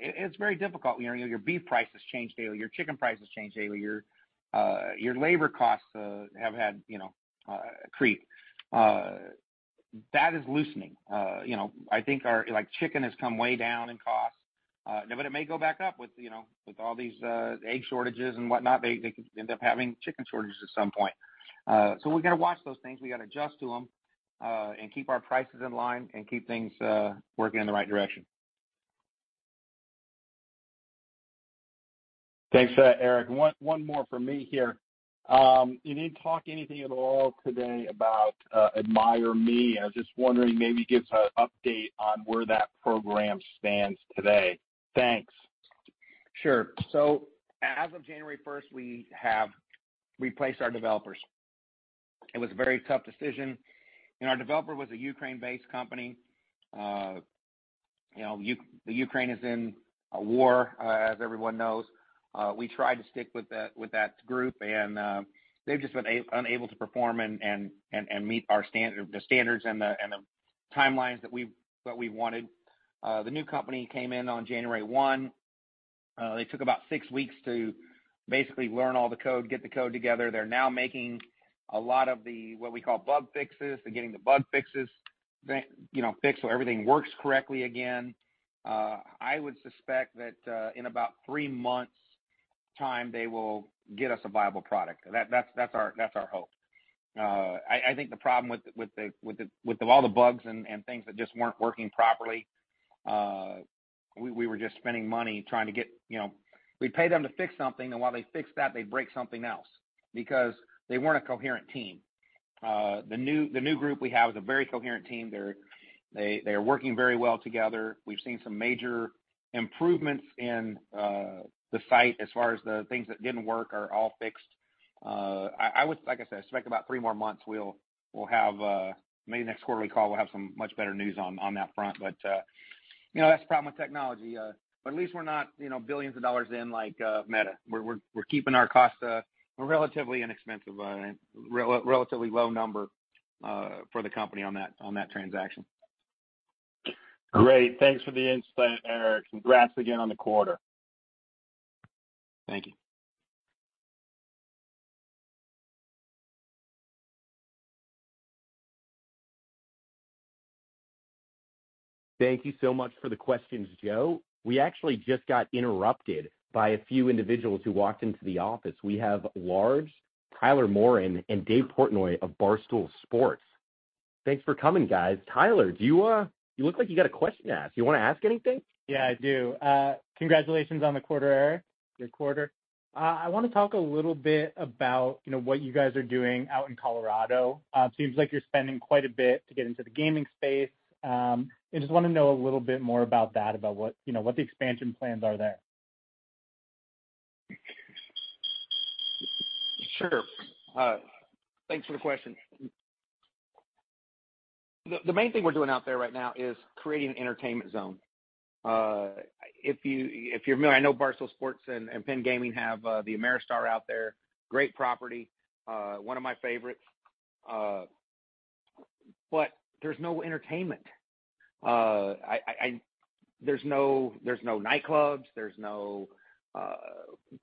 It's very difficult. You know, your beef prices change daily, your chicken prices change daily, your labor costs have had, you know, creep. That is loosening. You know, I think our... Like, chicken has come way down in cost, but it may go back up with, you know, with all these egg shortages and whatnot. They could end up having chicken shortages at some point. We gotta watch those things. We gotta adjust to them and keep our prices in line and keep things working in the right direction. Thanks, Eric. One more from me here. You didn't talk anything at all today about AdmireMe. I was just wondering, maybe give us an update on where that program stands today. Thanks. Sure. As of January 1st, we have replaced our developers. It was a very tough decision. Our developer was a Ukraine-based company. you know, the Ukraine is in a war, as everyone knows. we tried to stick with that group, and they've just been unable to perform and meet our standards and the timelines that we wanted. The new company came in on January 1. They took about six weeks to basically learn all the code, get the code together. They're now making a lot of the, what we call bug fixes. They're getting the bug fixes, you know, fixed, so everything works correctly again. I would suspect that in about three months' time, they will get us a viable product. That's our hope. I think the problem with all the bugs and things that just weren't working properly, we were just spending money trying to get, you know. We'd pay them to fix something, and while they fixed that, they'd break something else because they weren't a coherent team. The new group we have is a very coherent team. They are working very well together. We've seen some major improvements in the site as far as the things that didn't work are all fixed. I would, like I said, I expect about three more months, we'll have, maybe next quarter call, we'll have some much better news on that front. You know, that's the problem with technology. At least we're not, you know, billions of dollars in like Meta. We're keeping our costs, relatively inexpensive, relatively low number for the company on that transaction. Great. Thanks for the insight, Eric. Congrats again on the quarter. Thank you. Thank you so much for the questions, Joe. We actually just got interrupted by a few individuals who walked into the office. We have Large, Tyler Morin, and Dave Portnoy of Barstool Sports. Thanks for coming, guys. Tyler, do you look like you got a question to ask? You wanna ask anything? Yeah, I do. Congratulations on the quarter, Eric. Good quarter. I wanna talk a little bit about, you know, what you guys are doing out in Colorado. Seems like you're spending quite a bit to get into the gaming space. I just wanna know a little bit more about that, about what, you know, what the expansion plans are there? Sure. Thanks for the question. The main thing we're doing out there right now is creating an entertainment zone. If you, if you're familiar, I know Barstool Sports and PENN Entertainment have the Ameristar out there. Great property, one of my favorites. But there's no entertainment. There's no nightclubs, there's no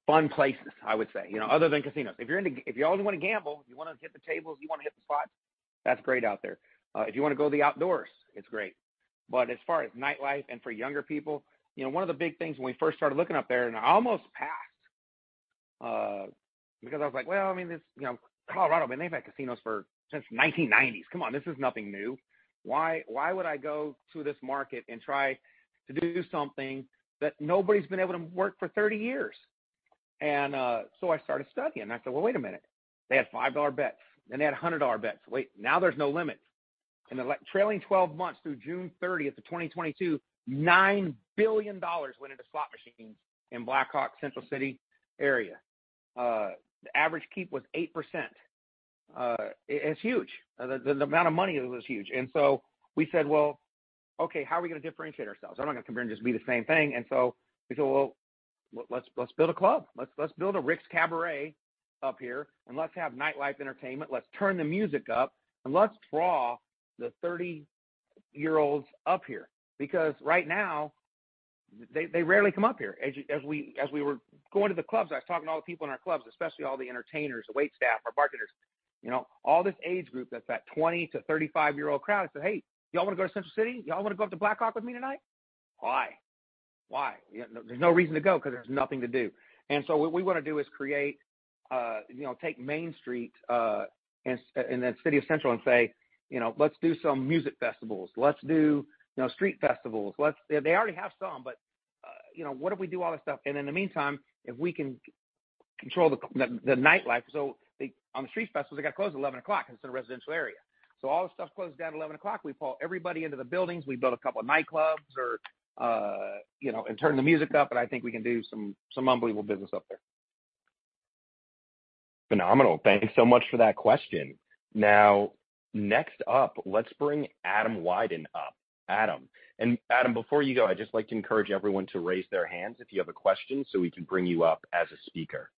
fun places, I would say, you know, other than casinos. If you only wanna gamble, you wanna hit the tables, you wanna hit the slots, that's great out there. If you wanna go to the outdoors, it's great. As far as nightlife and for younger people, you know, one of the big things when we first started looking up there, and I almost passed, because I was like, "Well, I mean, it's, you know, Colorado. I mean, they've had casinos for since 1990s. Come on, this is nothing new. Why would I go to this market and try to do something that nobody's been able to work for 30 years?" So I started studying, and I said, "Well, wait a minute. They had $5 bets, then they had $100 bets. Wait, now there's no limit." In the like trailing 12 months through June 30th of 2022, $9 billion went into slot machines in Black Hawk, Central City area. The average keep was 8%. It's huge. The amount of money is huge. We said, "Well, okay, how are we gonna differentiate ourselves? We're not gonna come in and just be the same thing." We said, "Well, let's build a club. Let's build a Rick's Cabaret up here, and let's have nightlife entertainment. Let's turn the music up, and let's draw the 30-year-olds up here." Right now they rarely come up here. As we were going to the clubs, I was talking to all the people in our clubs, especially all the entertainers, the waitstaff, our bartenders. You know, all this age group, that's that 20-35-year-old crowd. I said, "Hey, y'all want to go to Central City? Y'all want to go up to Black Hawk with me tonight? Why? Why?" There's no reason to go because there's nothing to do. What we want to do is create, you know, take Main Street in the city of Central and say, you know, "Let's do some music festivals. Let's do, you know, street festivals. Let's." They already have some, you know, what if we do all this stuff, and in the meantime, if we can control the nightlife. On the street festivals, they got to close at 11 o'clock because it's a residential area. All the stuff closes down at 11 o'clock. We pull everybody into the buildings, we build a couple of nightclubs or, you know, and turn the music up, and I think we can do some unbelievable business up there. Phenomenal. Thank you so much for that question. Next up, let's bring Adam Wyden up. Adam. Adam, before you go, I'd just like to encourage everyone to raise their hands if you have a question, so we can bring you up as a speaker.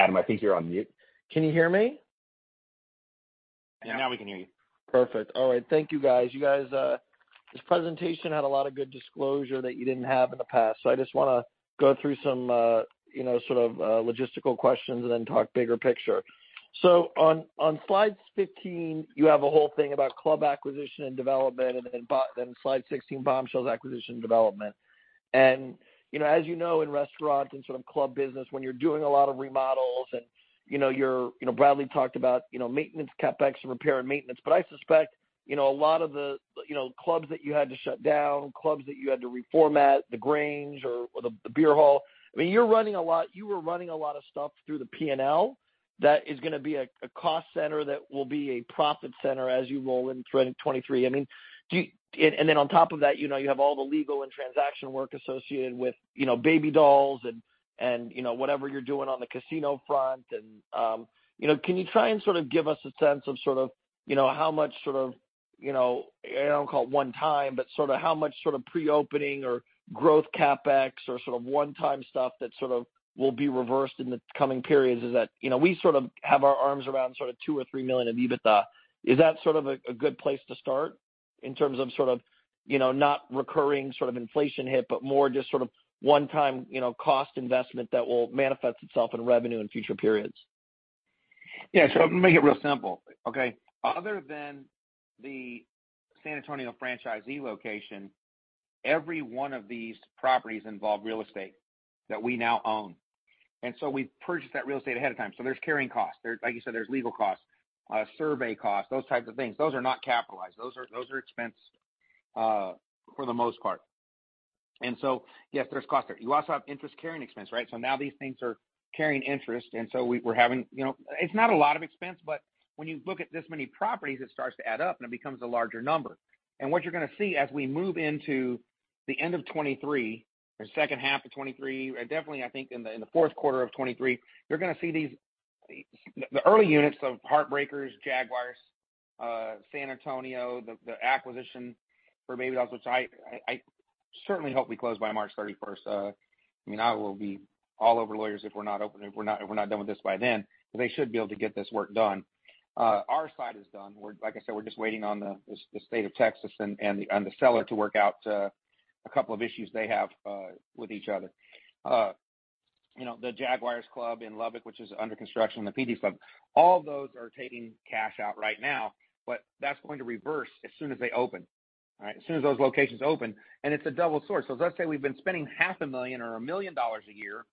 Adam, I think you're on mute. Can you hear me? Yeah. Now we can hear you. Perfect. All right. Thank you, guys. You guys, this presentation had a lot of good disclosure that you didn't have in the past. I just wanna go through some, you know, sort of, logistical questions and then talk bigger picture. On slides 15, you have a whole thing about club acquisition and development, and then slide 16, Bombshells acquisition and development. You know, as you know, in restaurant and sort of club business, when you're doing a lot of remodels and, you know, You know, Bradley talked about, you know, maintenance CapEx and repair and maintenance. I suspect, you know, a lot of the, you know, clubs that you had to shut down, clubs that you had to reformat, The Grange or the Beer Hall, I mean, you were running a lot of stuff through the P&L. That is gonna be a cost center that will be a profit center as you roll into 23. I mean, do you. Then on top of that, you know, you have all the legal and transaction work associated with, you know, Baby Dolls and, you know, whatever you're doing on the casino front. You know, can you try and sort of give us a sense of sort of, you know, how much sort of, you know, I don't call it one time, but sort of how much sort of pre-opening or growth CapEx or sort of one-time stuff that sort of will be reversed in the coming periods is that? You know, we sort of have our arms around sort of $2 million-$3 million of EBITDA. Is that sort of a good place to start in terms of sort of, you know, not recurring sort of inflation hit, but more just sort of one-time, you know, cost investment that will manifest itself in revenue in future periods? Yeah. I'm gonna make it real simple, okay? Other than the San Antonio franchisee location, every one of these properties involve real estate that we now own. We purchased that real estate ahead of time. There's carrying costs. There's, like you said, there's legal costs, survey costs, those types of things. Those are not capitalized. Those are expense for the most part. Yes, there's costs there. You also have interest carrying expense, right? Now these things are carrying interest, and so we're having... You know, it's not a lot of expense, but when you look at this many properties, it starts to add up, and it becomes a larger number. What you're gonna see as we move into the end of 2023 or second half of 2023, definitely, I think in the fourth quarter of 2023, you're gonna see these, the early units of Heartbreakers, Jaguars, San Antonio, the acquisition for Baby Dolls, which I certainly hope we close by March 31st. I mean, I will be all over lawyers if we're not open, if we're not done with this by then. They should be able to get this work done. Our side is done. We're, like I said, we're just waiting on the state of Texas and the seller to work out a couple of issues they have with each other. You know, the Jaguars Club in Lubbock, which is under construction, the PT's Showclub, all of those are taking cash out right now, but that's going to reverse as soon as they open. All right? As soon as those locations open, it's a double source. Let's say we've been spending half a million or $1 million a year.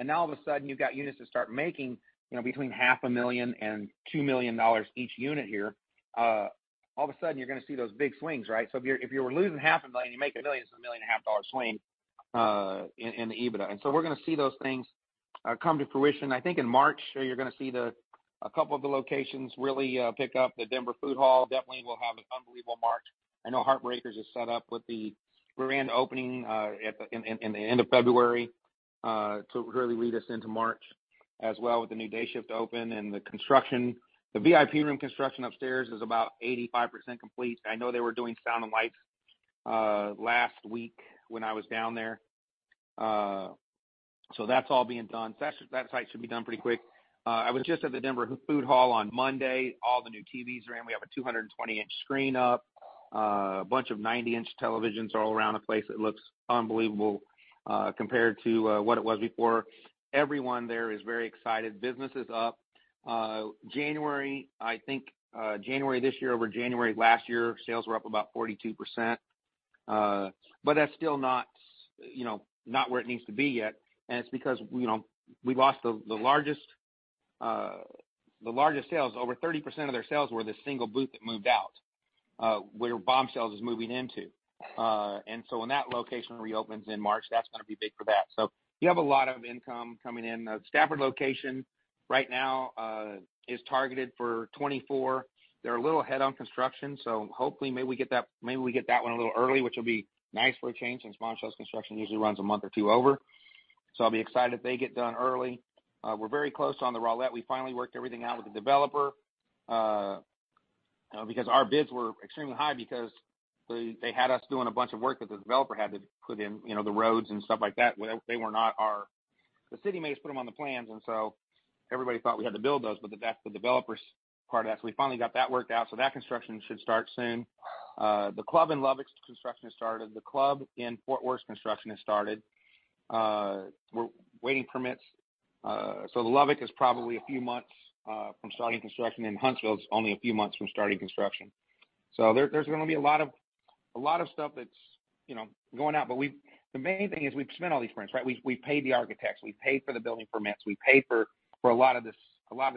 Now all of a sudden you've got units that start making, you know, between half a million and $2 million each unit here. All of a sudden you're gonna see those big swings, right? If you were losing half a million, you make $1 million, it's a million and a half dollar swing in the EBITDA. We're gonna see those things come to fruition. I think in March, you're gonna see a couple of the locations really pick up. The Denver Food Hall definitely will have an unbelievable March. I know Heartbreakers is set up with the grand opening in the end of February to really lead us into March as well with the new day shift open and the construction. The VIP room construction upstairs is about 85% complete. I know they were doing sound and lights last week when I was down there. That's all being done. That, that site should be done pretty quick. I was just at the Denver Food Hall on Monday. All the new TVs are in. We have a 220 inch screen up. A bunch of 90 inch televisions all around the place. It looks unbelievable, compared to what it was before. Everyone there is very excited. Business is up. January, I think, January this year over January last year, sales were up about 42%. But that's still not, you know, not where it needs to be yet. It's because, you know, we lost the largest, the largest sales. Over 30% of their sales were this single booth that moved out, where Bombshells is moving into. When that location reopens in March, that's gonna be big for that. You have a lot of income coming in. The Stafford location right now, is targeted for 2024. They're a little ahead on construction, so hopefully maybe we get that, maybe we get that one a little early, which will be nice for a change, since Montchel's construction usually runs a month or two over. I'll be excited if they get done early. We're very close on the Rowlett. We finally worked everything out with the developer, because our bids were extremely high because they had us doing a bunch of work that the developer had to put in, you know, the roads and stuff like that. The city made us put them on the plans, everybody thought we had to build those, but that's the developer's part. We finally got that worked out, so that construction should start soon. The club in Lubbock's construction has started. The club in Fort Worth's construction has started. We're waiting permits. The Lubbock is probably a few months from starting construction, and Huntsville's only a few months from starting construction. There's gonna be a lot of stuff that's, you know, going out. The main thing is we've spent all these rents, right? We paid the architects, we paid for the building permits, we paid for a lot of this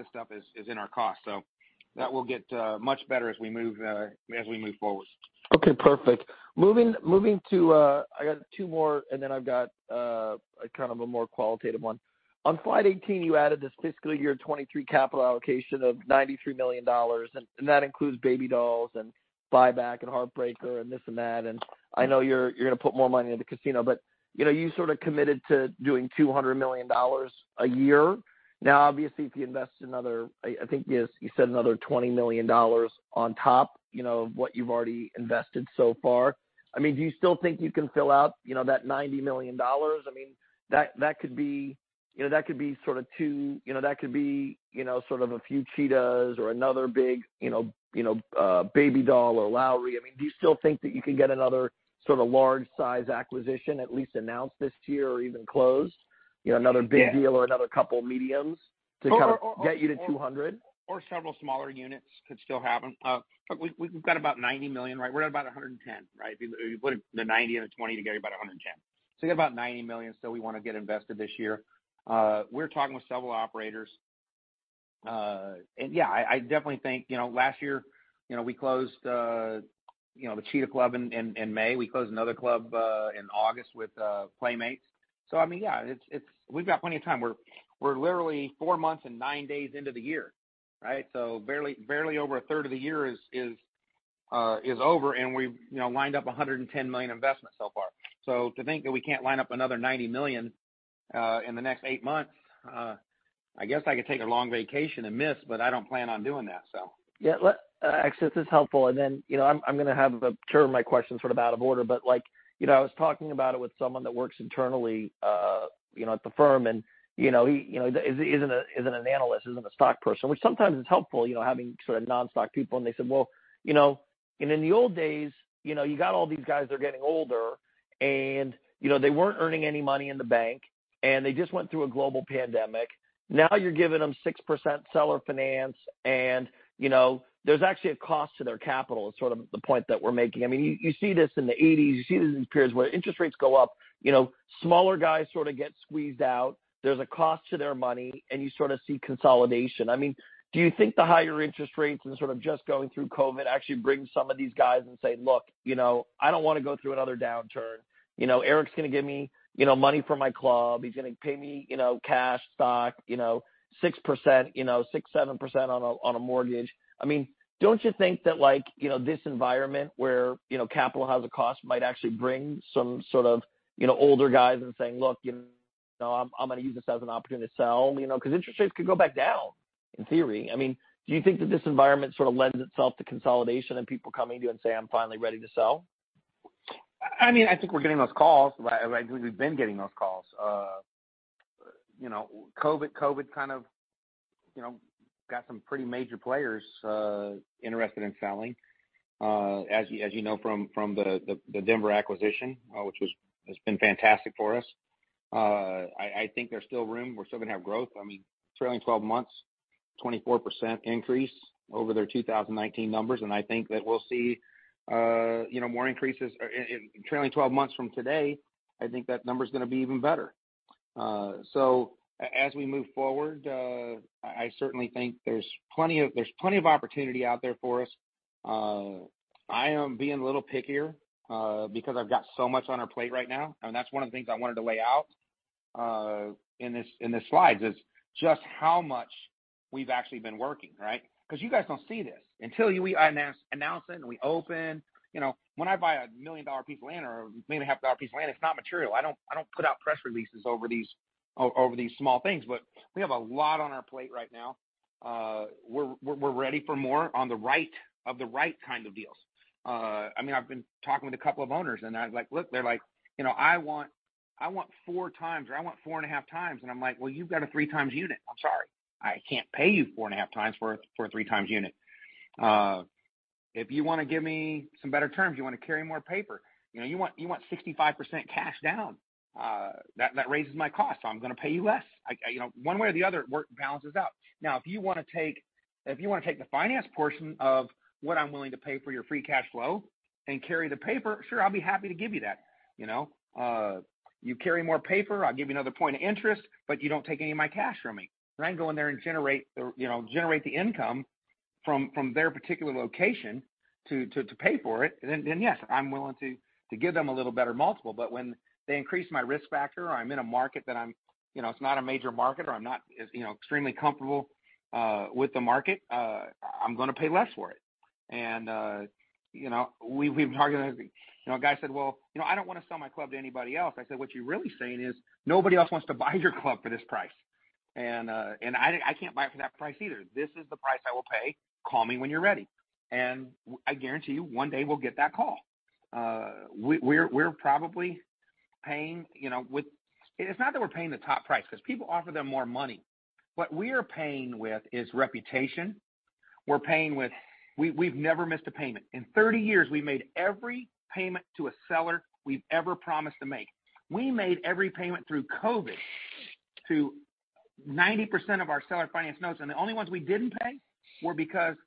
stuff is in our cost. That will get much better as we move as we move forward. Okay, perfect. Moving to, I got two more, and then I've got kind of a more qualitative one. On slide 18, you added this fiscal year 2023 capital allocation of $93 million, and that includes Baby Dolls and Buyback and Heartbreaker and this and that. I know you're gonna put more money into casino, but, you know, you sort of committed to doing $200 million a year. Obviously, if you invest another, I think you said another $20 million on top, you know, of what you've already invested so far. I mean, do you still think you can fill out, you know, that $90 million? I mean, that could be, you know, that could be sort of two, you know, that could be, you know, sort of a few Cheetahs or another big, you know, Baby Doll or Lowry. I mean, do you still think that you can get another sort of large size acquisition at least announced this year or even closed? You know, another big deal or another couple mediums to kind of get you to 200. Or several smaller units could still happen. Look, we've got about $90 million, right? We're at about $110, right? We put the $90 and the $20 together, you get about $110. We got about $90 million still we wanna get invested this year. We're talking with several operators. Yeah, I definitely think, you know, last year, you know, we closed, you know, the Cheetah Club in May. We closed another club in August with Playmates. I mean, yeah, it's we've got plenty of time. We're literally four months and nine days into the year, right? Barely over a third of the year is over, and we've, you know, lined up $110 million investments so far. To think that we can't line up another $90 million in the next 8 months, I guess I could take a long vacation and miss, but I don't plan on doing that. Yeah. actually, this is helpful. you know, I'm gonna have a curve my questions sort of out of order. you know, I was talking about it with someone that works internally, you know, at the firm, and, you know, he, you know, isn't an analyst, isn't a stock person, which sometimes is helpful, you know, having sort of non-stock people. Well, you know, in the old days, you know, you got all these guys, they're getting older, and, you know, they weren't earning any money in the bank, and they just went through a global pandemic. Now you're giving them 6% seller finance, and, you know, there's actually a cost to their capital, is sort of the point that we're making. I mean, you see this in the '80s, you see this in periods where interest rates go up, you know, smaller guys sort of get squeezed out. There's a cost to their money, and you sort of see consolidation. I mean, do you think the higher interest rates and sort of just going through COVID actually brings some of these guys and say, "Look, you know, I don't wanna go through another downturn. You know, Eric's gonna give me, you know, money for my club"? He's gonna pay me, you know, cash, stock, you know, 6%, you know, 6%-7% on a, on a mortgage." I mean, don't you think that like, you know, this environment where, you know, capital has a cost might actually bring some sort of, you know, older guys in saying, "Look, you know, I'm gonna use this as an opportunity to sell," you know, because interest rates could go back down, in theory. I mean, do you think that this environment sort of lends itself to consolidation and people coming to you and say, "I'm finally ready to sell? I mean, I think we're getting those calls. I think we've been getting those calls. you know, COVID kind of, you know, got some pretty major players interested in selling. as you know, from the Denver acquisition, which has been fantastic for us. I think there's still room. We're still gonna have growth. I mean, trailing twelve months, 24% increase over their 2019 numbers, and I think that we'll see, you know, more increases. In trailing twelve months from today, I think that number is gonna be even better. as we move forward, I certainly think there's plenty of opportunity out there for us. I am being a little pickier because I've got so much on our plate right now. That's one of the things I wanted to lay out in this, in the slides, is just how much we've actually been working, right? You guys don't see this. Until we announce it and we open. You know, when I buy a $1 million piece of land or maybe a half-a-dollar piece of land, it's not material. I don't, I don't put out press releases over these small things. We have a lot on our plate right now. We're ready for more of the right kind of deals. I mean, I've been talking with a couple of owners, I'm like, "Look," they're like, you know, "I want, I want 4 times, or I want 4 and a half times." I'm like, "Well, you've got a 3 times unit. I'm sorry. I can't pay you 4 and a half times for a 3 times unit." If you wanna give me some better terms, you wanna carry more paper, you know, you want, you want 65% cash down, that raises my cost, so I'm gonna pay you less. I, you know, one way or the other, work balances out. If you wanna take the finance portion of what I'm willing to pay for your free cash flow and carry the paper, sure, I'll be happy to give you that. You know, you carry more paper, I'll give you another point of interest, but you don't take any of my cash from me. Go in there and generate the income from their particular location to pay for it, then yes, I'm willing to give them a little better multiple. When they increase my risk factor, or I'm in a market that I'm. You know, it's not a major market, or I'm not, as, you know, extremely comfortable with the market, I'm gonna pay less for it. You know, we've targeted. You know, a guy said, "Well, you know, I don't wanna sell my club to anybody else." I said, "What you're really saying is nobody else wants to buy your club for this price. I can't buy it for that price either. This is the price I will pay. Call me when you're ready." I guarantee you, one day we'll get that call. We're probably paying, you know, with. It's not that we're paying the top price, 'cause people offer them more money. What we are paying with is reputation, we're paying with. We've never missed a payment. In 30 years, we've made every payment to a seller we've ever promised to make. We made every payment through COVID, through 90% of our seller finance notes, and the only ones we didn't pay were because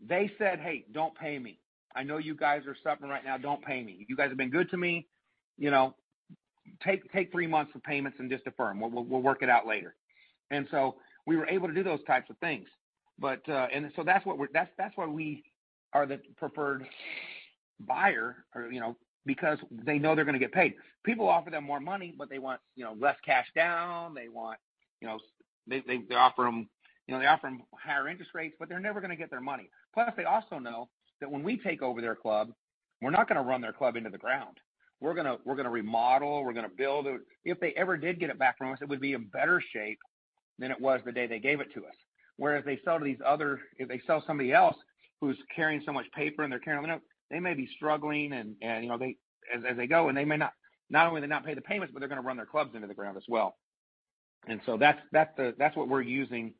they said, "Hey, don't pay me. I know you guys are suffering right now, don't pay me. You guys have been good to me, you know, take three months of payments and just defer 'em. We'll work it out later." We were able to do those types of things. That's what we're. That's why we are the preferred buyer or, you know, because they know they're gonna get paid. People offer them more money, but they want, you know, less cash down. They want, you know. They offer 'em, you know, they offer 'em higher interest rates, but they're never gonna get their money. Plus, they also know that when we take over their club, we're not gonna run their club into the ground. We're gonna remodel, we're gonna build. If they ever did get it back from us, it would be in better shape than it was the day they gave it to us. Whereas they sell to these other... If they sell to somebody else who's carrying so much paper and they're carrying, you know, they may be struggling and you know, as they go, and they may not only not pay the payments, but they're gonna run their clubs into the ground as well. That's what we're using,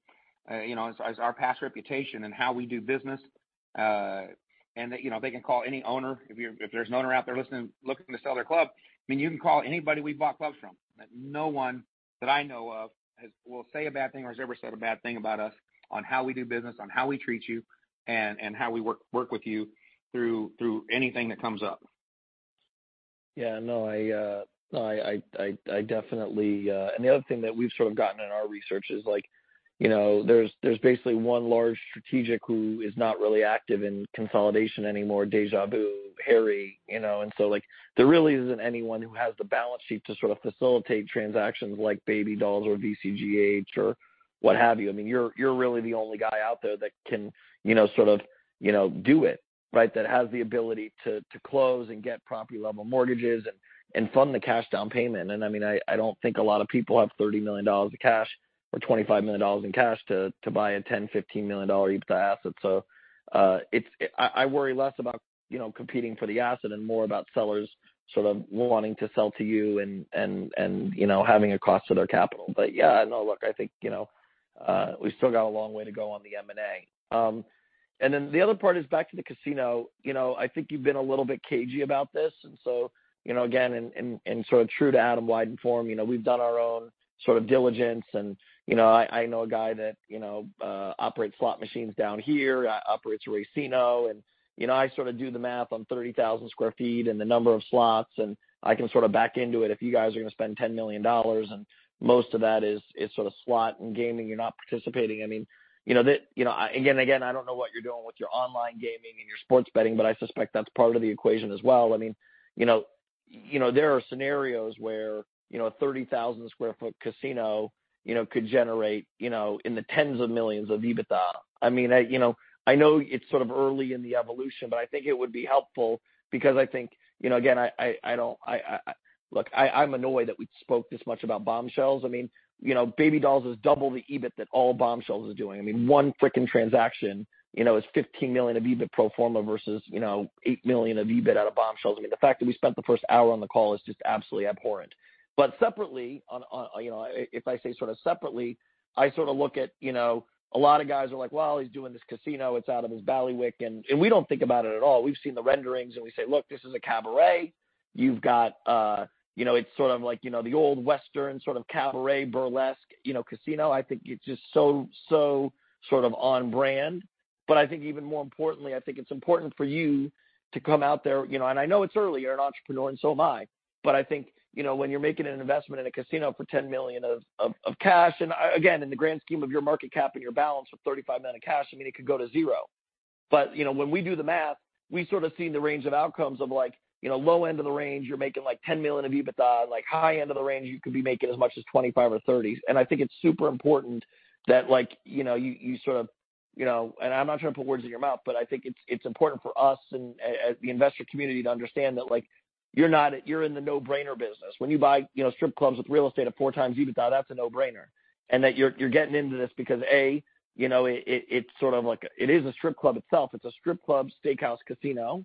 you know, as our past reputation and how we do business, and that, you know, they can call any owner. If you're... If there's an owner out there listening, looking to sell their club, I mean, you can call anybody we've bought clubs from, that no one that I know of will say a bad thing or has ever said a bad thing about us on how we do business, on how we treat you, and how we work with you through anything that comes up. Yeah, no, I definitely. The other thing that we've sort of gotten in our research is like, you know, there's basically one large strategic who is not really active in consolidation anymore, Deja Vu, Harry, you know. Like, there really isn't anyone who has the balance sheet to sort of facilitate transactions like Baby Dolls or VCGH or what have you. I mean, you're really the only guy out there that can, you know, sort of, you know, do it, right? That has the ability to close and get property-level mortgages and fund the cash down payment. I mean, I don't think a lot of people have $30 million of cash or $25 million in cash to buy a $10 million-$15 million EBITDA asset. It's... I worry less about, you know, competing for the asset and more about sellers sort of wanting to sell to you and, you know, having a cost to their capital. Yeah, no, look, I think, you know, we still got a long way to go on the M&A. Then the other part is back to the casino. You know, I think you've been a little bit cagey about this. So, you know, again, and sort of true to Adam Wyden form, you know, we've done our own sort of diligence and, you know, I know a guy that, you know, operates slot machines down here, operates Racino, and you know, I sort of do the math on 30,000 square feet and the number of slots, and I can sort of back into it. If you guys are gonna spend $10 million, and most of that is sort of slot and gaming, you're not participating. I mean, you know, again, I don't know what you're doing with your online gaming and your sports betting, but I suspect that's part of the equation as well. I mean, you know, there are scenarios where, you know, a 30,000 sq ft casino, you know, could generate, you know, in the tens of millions of EBITDA. I mean, you know, I know it's sort of early in the evolution, but I think it would be helpful because I think, you know, again, I don't Look, I'm annoyed that we spoke this much about Bombshells. I mean, you know, Baby Dolls is double the EBIT that all Bombshells is doing. I mean, one freaking transaction, you know, is $15 million of EBIT pro forma versus, you know, $8 million of EBIT out of Bombshells. I mean, the fact that we spent the first hour on the call is just absolutely abhorrent. Separately, on, you know, if I say sort of separately, I sort of look at, you know, a lot of guys are like, "Well, he's doing this casino, it's out of his bailiwick," and we don't think about it at all. We've seen the renderings, and we say, "Look, this is a cabaret." You've got, you know, it's sort of like, you know, the old Western sort of cabaret, burlesque, you know, casino. I think it's just so sort of on brand. I think even more importantly, I think it's important for you to come out there, you know... I know it's early. You're an entrepreneur, and so am I. I think, you know, when you're making an investment in a casino for $10 million of cash, and again, in the grand scheme of your market cap and your balance with $35 million of cash, I mean, it could go to zero. You know, when we do the math, we've sort of seen the range of outcomes of like, you know, low end of the range, you're making like $10 million of EBITDA. Like, high end of the range, you could be making as much as $25 or $30. I think it's super important that like, you know, you sort of, you know... I'm not trying to put words in your mouth, but I think it's important for us and the investor community to understand that, like, you're not... You're in the no-brainer business. When you buy, you know, strip clubs with real estate at 4x EBITDA, that's a no-brainer. That you're getting into this because, A, you know, it's sort of like a... It is a strip club itself. It's a strip club, steakhouse, casino.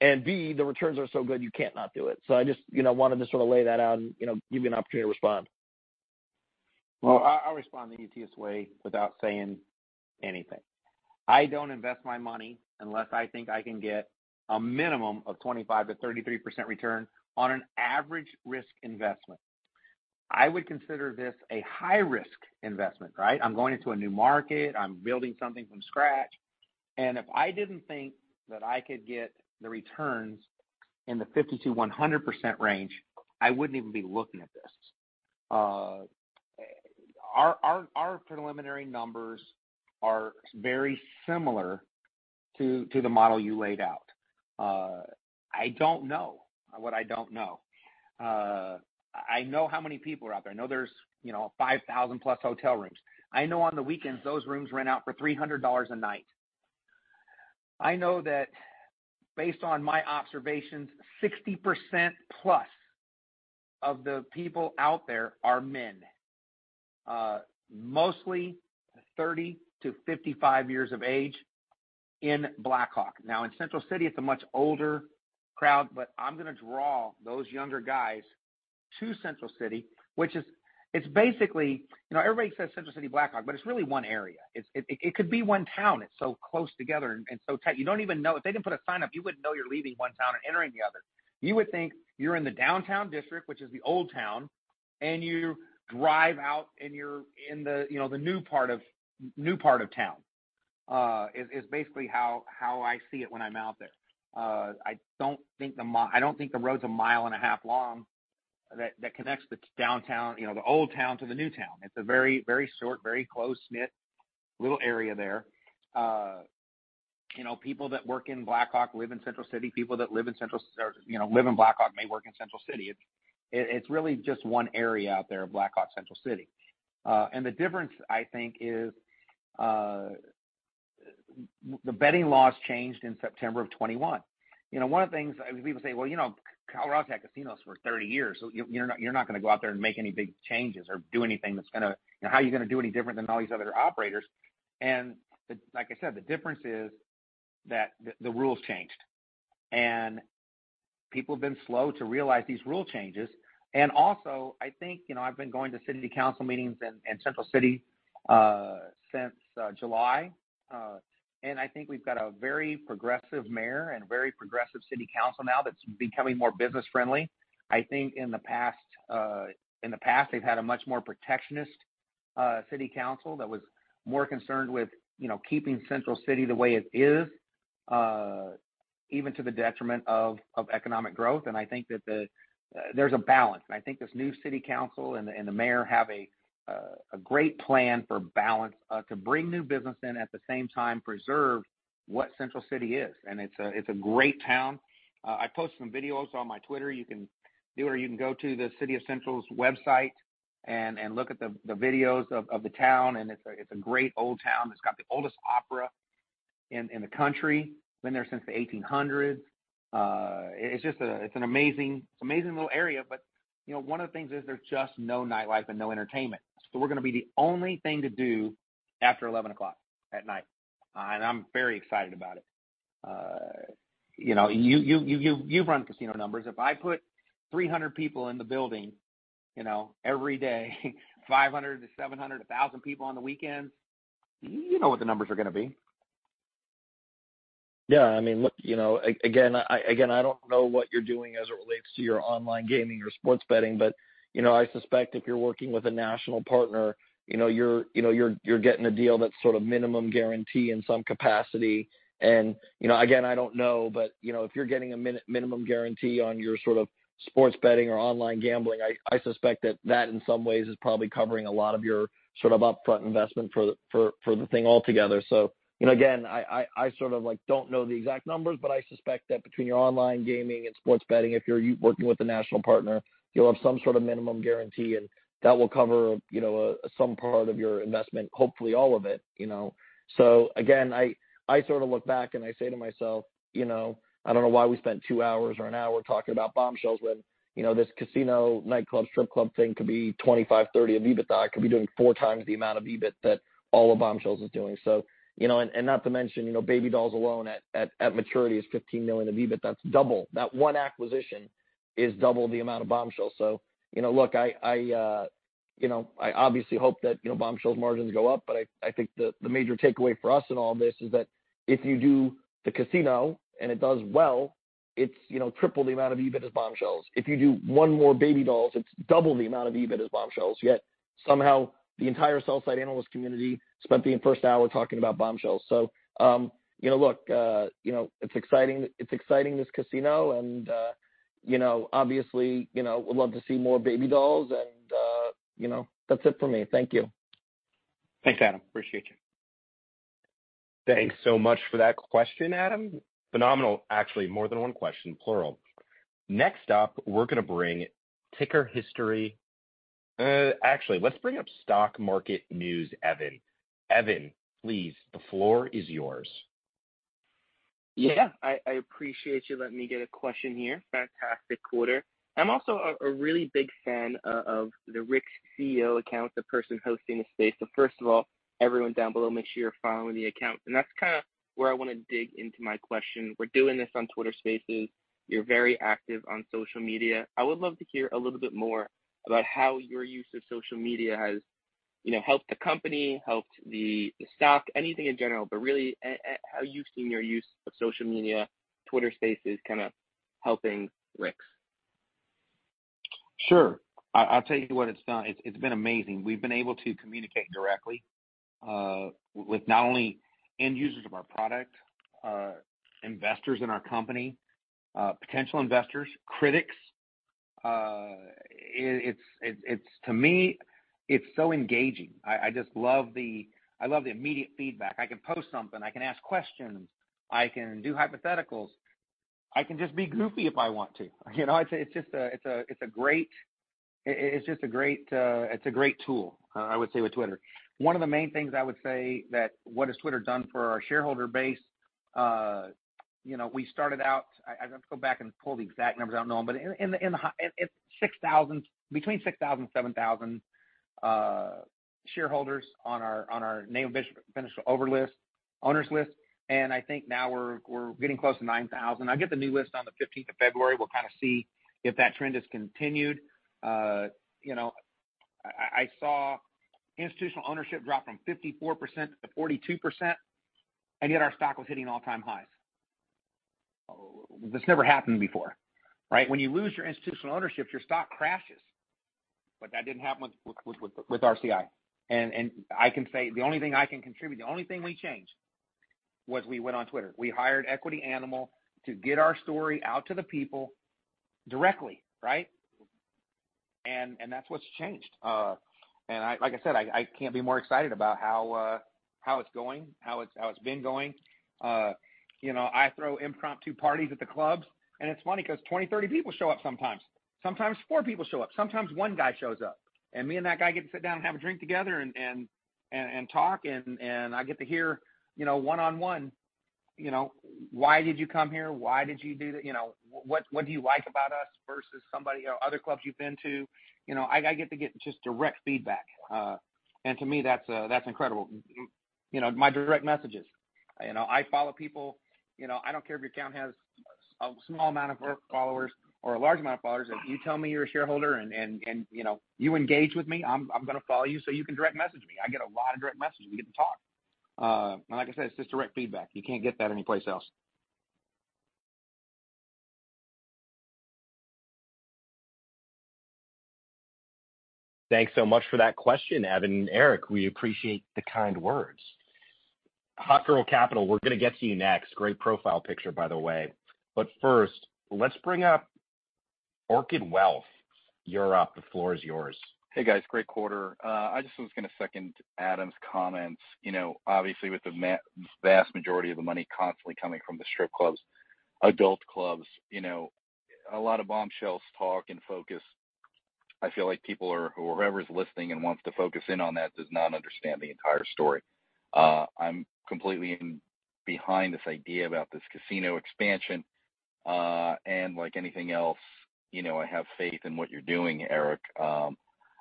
B, the returns are so good you can't not do it. I just, you know, wanted to sort of lay that out and, you know, give you an opportunity to respond. Well, I'll respond the easiest way without saying anything. I don't invest my money unless I think I can get a minimum of 25%-33% return on an average risk investment. I would consider this a high-risk investment, right? I'm going into a new market. I'm building something from scratch. If I didn't think that I could get the returns in the 50%-100% range, I wouldn't even be looking at this. Our preliminary numbers are very similar to the model you laid out. I don't know what I don't know. I know how many people are out there. I know there's, you know, 5,000 plus hotel rooms. I know on the weekends, those rooms rent out for $300 a night. I know that based on my observations, 60% plus of the people out there are men, mostly 30-55 years of age in Black Hawk. Now, in Central City, it's a much older crowd, but I'm gonna draw those younger guys to Central City, which is basically, you know, everybody says Central City, Black Hawk, but it's really one area. It could be one town. It's so close together and so tight. You don't even know. If they didn't put a sign up, you wouldn't know you're leaving one town and entering the other. You would think you're in the downtown district, which is the old town, and you drive out, and you're in the, you know, the new part of town, is basically how I see it when I'm out there. I don't think the road's a mile and a half long that connects the downtown, you know, the old town to the new town. It's a very, very short, very close-knit little area there. You know, people that work in Black Hawk live in Central City. People that live in Black Hawk may work in Central City. It's really just one area out there, Black Hawk, Central City. The difference, I think, is the betting laws changed in September of 2021. You know, one of the things... People say, "Well, you know, Colorado's had casinos for 30 years, so you're not gonna go out there and make any big changes or do anything that's gonna. You know, how are you gonna do any different than all these other operators? Like I said, the difference is that the rules changed, and people have been slow to realize these rule changes. Also, I think, you know, I've been going to city council meetings in Central City since July, and I think we've got a very progressive mayor and a very progressive city council now that's becoming more business-friendly. I think in the past, they've had a much more protectionist city council that was more concerned with, you know, keeping Central City the way it is, even to the detriment of economic growth. I think there's a balance. I think this new city council and the mayor have a great plan for balance to bring new business in, at the same time preserve what Central City is. It's a great town. I post some videos on my Twitter. You can do it or you can go to the City of Central's website and look at the videos of the town, and it's a great old town. It's got the oldest opera in the country. Been there since the 1800s. It's an amazing little area, but, you know, one of the things is there's just no nightlife and no entertainment. We're gonna be the only thing to do after 11:00 P.M., and I'm very excited about it. you know, you've run casino numbers. If I put 300 people in the building, you know, every day, 500-700, 1,000 people on the weekends, you know what the numbers are gonna be. Yeah. I mean, look, you know, again, Again, I don't know what you're doing as it relates to your online gaming or sports betting, but, you know, I suspect if you're working with a national partner, you know, you're getting a deal that's sort of minimum guarantee in some capacity. You know, again, I don't know, but, you know, if you're getting a minimum guarantee on your sort of sports betting or online gambling, I suspect that that in some ways is probably covering a lot of your sort of upfront investment for the thing altogether. You know, again, I sort of like don't know the exact numbers, but I suspect that between your online gaming and sports betting, if you're working with a national partner, you'll have some sort of minimum guarantee, and that will cover, you know, some part of your investment, hopefully all of it, you know. Again, I sort of look back and I say to myself, "You know, I don't know why we spent 2 hours or 1 hour talking about Bombshells when, you know, this casino, nightclub, strip club thing could be 25-30 of EBITDA. I could be doing 4 times the amount of EBIT that all of Bombshells is doing." You know, and not to mention, you know, Baby Dolls alone at maturity is $15 million of EBIT. That's double. That one acquisition is 2x the amount of Bombshells. You know, look, I, you know, Bombshells margins go up, but I think the major takeaway for us in all this is that if you do the casino and it does well, it's, you know, 3x the amount of EBIT as Bombshells. If you do one more Baby Dolls, it's 2x the amount of EBIT as Bombshells. Yet somehow the entire sell-side analyst community spent the first hour talking about Bombshells. You know, look, you know, it's exciting. It's exciting, this casino and, you know, obviously, you know, would love to see more Baby Dolls and, you know. That's it for me. Thank you. Thanks, Adam. Appreciate you. Thanks so much for that question, Adam. Phenomenal. Actually, more than one question, plural. Next up, actually, let's bring up stock market news Evan. Evan, please, the floor is yours. Yeah. I appreciate you letting me get a question here. Fantastic quarter. I'm also a really big fan of the @RicksCEO account, the person hosting the space. First of all, everyone down below, make sure you're following the account. That's kinda where I wanna dig into my question. We're doing this on Twitter Spaces. You're very active on social media. I would love to hear a little bit more about how your use of social media has, you know, helped the company, helped the stock, anything in general. Really, how you've seen your use of social media, Twitter Spaces, kinda helping RCI. Sure. I'll tell you what it's done. It's been amazing. We've been able to communicate directly with not only end users of our product, investors in our company, potential investors, critics, it's so engaging. I just love the immediate feedback. I can post something, I can ask questions, I can do hypotheticals. I can just be goofy if I want to. You know, it's just a great, it's a great tool, I would say with Twitter. One of the main things I would say that what has Twitter done for our shareholder base, you know, we started out. I'd have to go back and pull the exact numbers. I don't know them. In between 6,000 and 7,000 shareholders on our name owners list, and I think now we're getting close to 9,000. I get the new list on the 15th of February. We'll kind of see if that trend is continued. You know, I saw institutional ownership drop from 54% to 42%, and yet our stock was hitting all-time highs. This never happened before, right? When you lose your institutional ownership, your stock crashes. That didn't happen with RCI. I can say, the only thing I can contribute, the only thing we changed was we went on Twitter. We hired Equity Animal to get our story out to the people directly, right? That's what's changed. And I like I said, I can't be more excited about how it's going, how it's been going. You know, I throw impromptu parties at the clubs. It's funny because 20, 30 people show up sometimes. Sometimes 4 people show up. Sometimes 1 guy shows up, and me and that guy get to sit down and have a drink together and talk, and I get to hear, you know, one-on-one, you know, why did you come here? You know, what do you like about us versus somebody, other clubs you've been to? You know, I get just direct feedback. To me, that's incredible. You know, my direct messages. You know, I follow people. You know, I don't care if your account has a small amount of followers or a large amount of followers. If you tell me you're a shareholder and, you know, you engage with me, I'm gonna follow you so you can direct message me. I get a lot of direct messages. We get to talk. Like I said, it's just direct feedback. You can't get that anyplace else. Thanks so much for that question, Evan. Eric, we appreciate the kind words. Hot Girl Capital, we're gonna get to you next. Great profile picture, by the way. First, let's bring up Orchid Wealth. You're up. The floor is yours. Hey, guys. Great quarter. I just was gonna second Adam's comments. You know, obviously with the vast majority of the money constantly coming from the strip clubs, adult clubs, you know, a lot of Bombshells talk and focus. I feel like people or whoever's listening and wants to focus in on that does not understand the entire story. I'm completely behind this idea about this casino expansion, like anything else, you know, I have faith in what you're doing, Eric.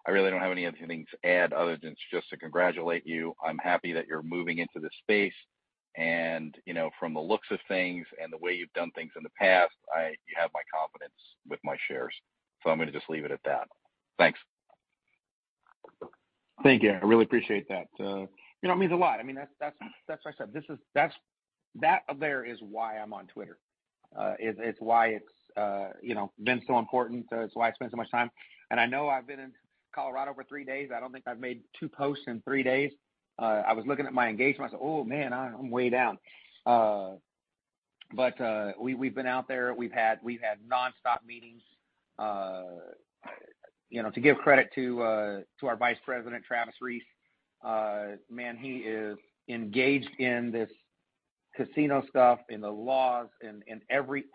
I really don't have anything to add other than just to congratulate you. I'm happy that you're moving into this space, you know, from the looks of things and the way you've done things in the past, you have my confidence with my shares, I'm gonna just leave it at that. Thanks. Thank you. I really appreciate that. You know, it means a lot. I mean, that's, that's what I said. That's, that up there is why I'm on Twitter. It's, it's why it's, you know, been so important. It's why I spend so much time. I know I've been in Colorado for 3 days. I don't think I've made 2 posts in 3 days. I was looking at my engagement. I said, "Oh, man, I'm way down." We've been out there. We've had nonstop meetings. You know, to give credit to our Vice President, Travis Reese, man, he is engaged in this casino stuff, in the laws, in every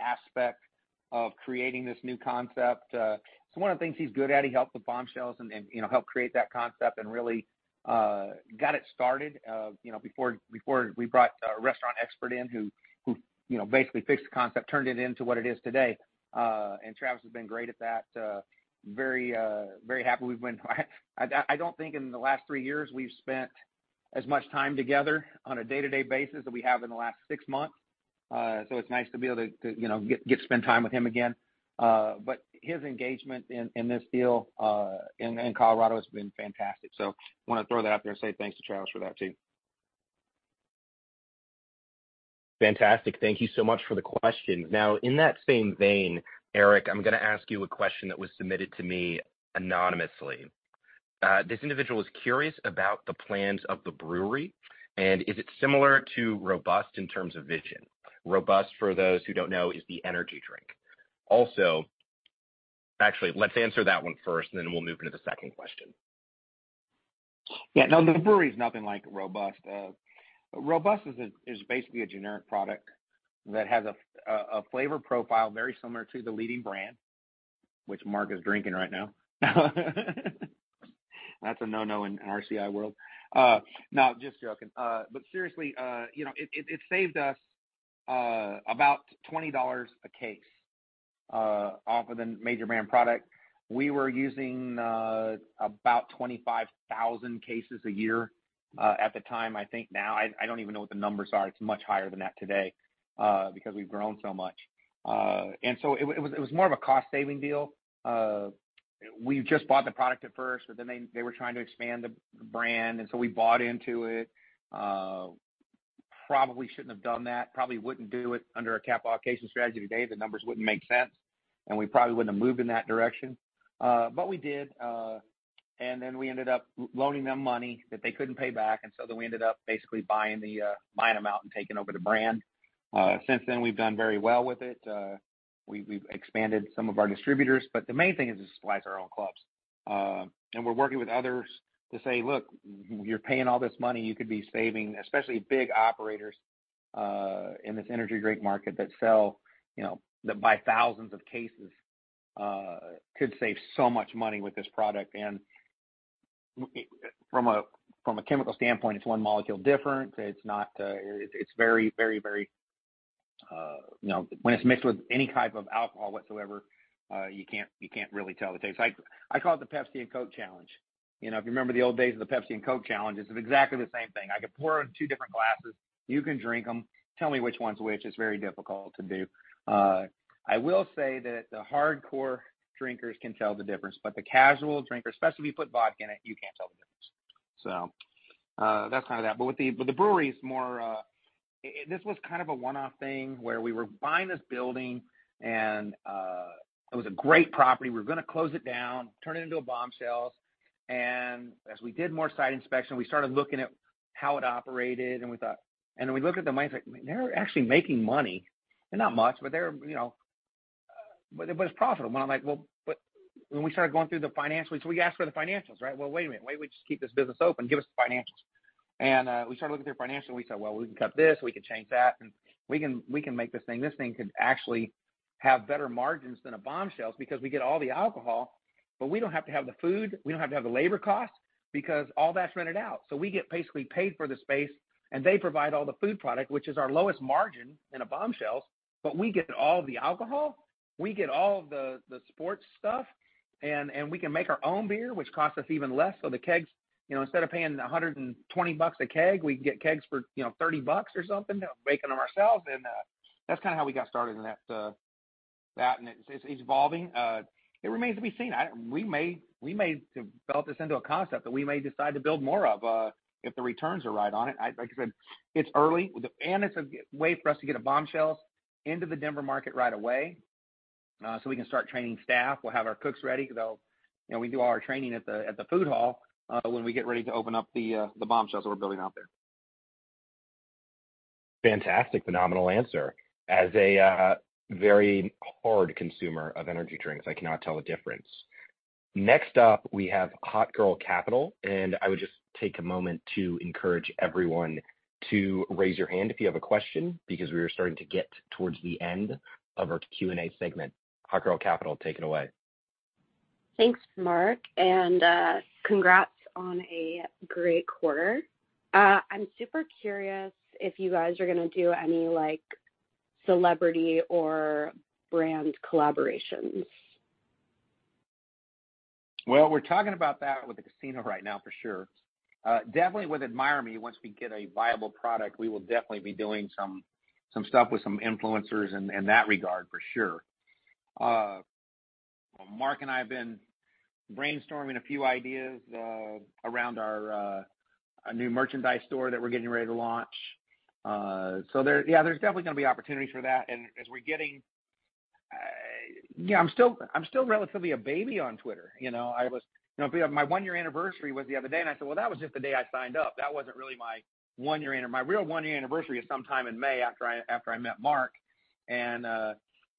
aspect of creating this new concept. It's one of the things he's good at. He helped with Bombshells and, you know, helped create that concept and really got it started, you know, before we brought a restaurant expert in who, you know, basically fixed the concept, turned it into what it is today. Travis has been great at that. Very happy I don't think in the last 3 years we've spent as much time together on a day-to-day basis that we have in the last 6 months. It's nice to be able to, you know, get to spend time with him again. His engagement in this deal, in Colorado has been fantastic. I want to throw that out there and say thanks to Travis for that too. Fantastic. Thank you so much for the question. In that same vein, Eric, I'm gonna ask you a question that was submitted to me anonymously. This individual is curious about the plans of the brewery, and is it similar to Robust in terms of vision? Robust, for those who don't know, is the energy drink. Actually, let's answer that one first, and then we'll move into the second question. Yeah. No, the brewery is nothing like Robust. Robust is basically a generic product that has a flavor profile very similar to the leading brand, which Mark is drinking right now. That's a no-no in RCI world. No, just joking. Seriously, you know, it saved us about $20 a case off of the major brand product. We were using about 25,000 cases a year at the time. I think now I don't even know what the numbers are. It's much higher than that today because we've grown so much. It was more of a cost-saving deal. We just bought the product at first, they were trying to expand the brand, we bought into it. Probably shouldn't have done that. Probably wouldn't do it under a capital allocation strategy today. The numbers wouldn't make sense. We probably wouldn't have moved in that direction. We did, and then we ended up loaning them money that they couldn't pay back, and so then we ended up basically buying the, buying them out and taking over the brand. Since then, we've done very well with it. We've expanded some of our distributors. The main thing is to supply our own clubs. We're working with others to say, "Look, you're paying all this money you could be saving," especially big operators, in this energy drink market that sell, you know, that buy thousands of cases, could save so much money with this product. From a chemical standpoint, it's one molecule different. It's not. It's very, very, very, you know. When it's mixed with any type of alcohol whatsoever, you can't really tell the taste. I call it the Pepsi and Coke challenge. You know, if you remember the old days of the Pepsi and Coke challenge, this is exactly the same thing. I could pour it in two different glasses, you can drink them, tell me which one's which. It's very difficult to do. I will say that the hardcore drinkers can tell the difference, but the casual drinkers, especially if you put vodka in it, you can't tell the difference. That's kind of that. With the brewery, it's more. This was kind of a one-off thing where we were buying this building and it was a great property. We were gonna close it down, turn it into a Bombshells. As we did more site inspection, we started looking at how it operated and we thought. Then we looked at the money, like they're actually making money. They're not much, but they're, you know. But it's profitable. I'm like, "Well," but when we started going through the financials, we said, "We asked for the financials, right? Well, wait a minute. Why don't we just keep this business open? Give us the financials." We started looking at their financials, and we said, "Well, we can cut this, we can change that, and we can make this thing could actually have better margins than a Bombshells because we get all the alcohol, but we don't have to have the food, we don't have to have the labor costs because all that's rented out. We get basically paid for the space, and they provide all the food product, which is our lowest margin in a Bombshells. We get all of the sports stuff, and we can make our own beer, which costs us even less. The kegs, you know, instead of paying $120 a keg, we can get kegs for, you know, $30 or something, making them ourselves. That's kinda how we got started in that. It's evolving. It remains to be seen. We may develop this into a concept that we may decide to build more of, if the returns are right on it. Like I said, it's early. It's a way for us to get a Bombshells into the Denver market right away, so we can start training staff. We'll have our cooks ready 'cause they'll. You know, we do all our training at the food hall, when we get ready to open up the Bombshells that we're building out there. Fantastic. Phenomenal answer. As a very hard consumer of energy drinks, I cannot tell the difference. Next up, we have Hot Girl Capital. I would just take a moment to encourage everyone to raise your hand if you have a question, because we are starting to get towards the end of our Q&A segment. Hot Girl Capital, take it away. Thanks, Mark, and congrats on a great quarter. I'm super curious if you guys are gonna do any, like, celebrity or brand collaborations? We're talking about that with the casino right now for sure. Definitely with Admire Me, once we get a viable product, we will definitely be doing some stuff with some influencers in that regard for sure. Mark and I have been brainstorming a few ideas around our a new merchandise store that we're getting ready to launch. Yeah, there's definitely gonna be opportunities for that. Yeah, I'm still relatively a baby on Twitter, you know. You know, my one-year anniversary was the other day, and I said, "Well, that was just the day I signed up. That wasn't really my 1 year my real one-year anniversary is sometime in May after I met Mark.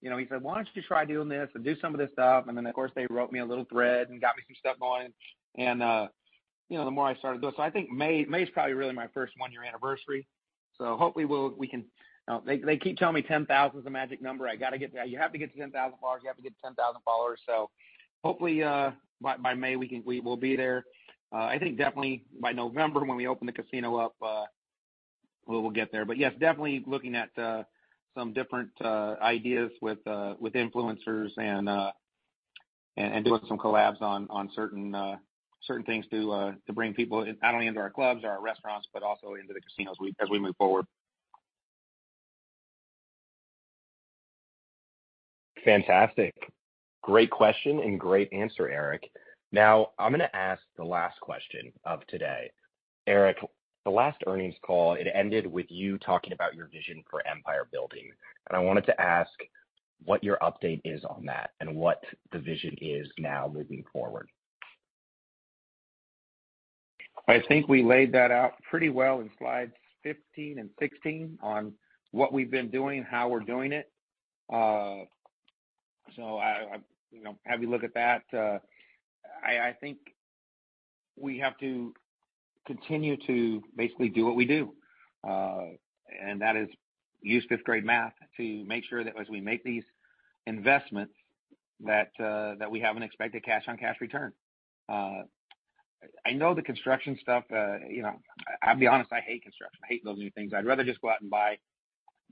You know, he said, "Why don't you try doing this and do some of this stuff?" Of course, they wrote me a little thread and got me some stuff going. You know, the more I started doing. So I think May's probably really my first one-year anniversary, so hopefully we can. They keep telling me 10,000 is the magic number. You have to get to 10,000 followers. You have to get to 10,000 followers. Hopefully, by May we will be there. I think definitely by November, when we open the casino up, we'll get there. Yes, definitely looking at some different ideas with influencers and doing some collabs on certain things to bring people in, not only into our clubs or our restaurants, but also into the casinos as we move forward. Fantastic. Great question and great answer, Eric. I'm gonna ask the last question of today. Eric, the last earnings call, it ended with you talking about your vision for empire building, and I wanted to ask what your update is on that and what the vision is now moving forward. I think we laid that out pretty well in slides 15 and 16 on what we've been doing and how we're doing it. I, you know, have you look at that. I think we have to continue to basically do what we do, and that is use fifth-grade math to make sure that as we make these investments that we have an expected cash-on-cash return. I know the construction stuff, you know, I'll be honest, I hate construction. I hate building new things. I'd rather just go out and buy,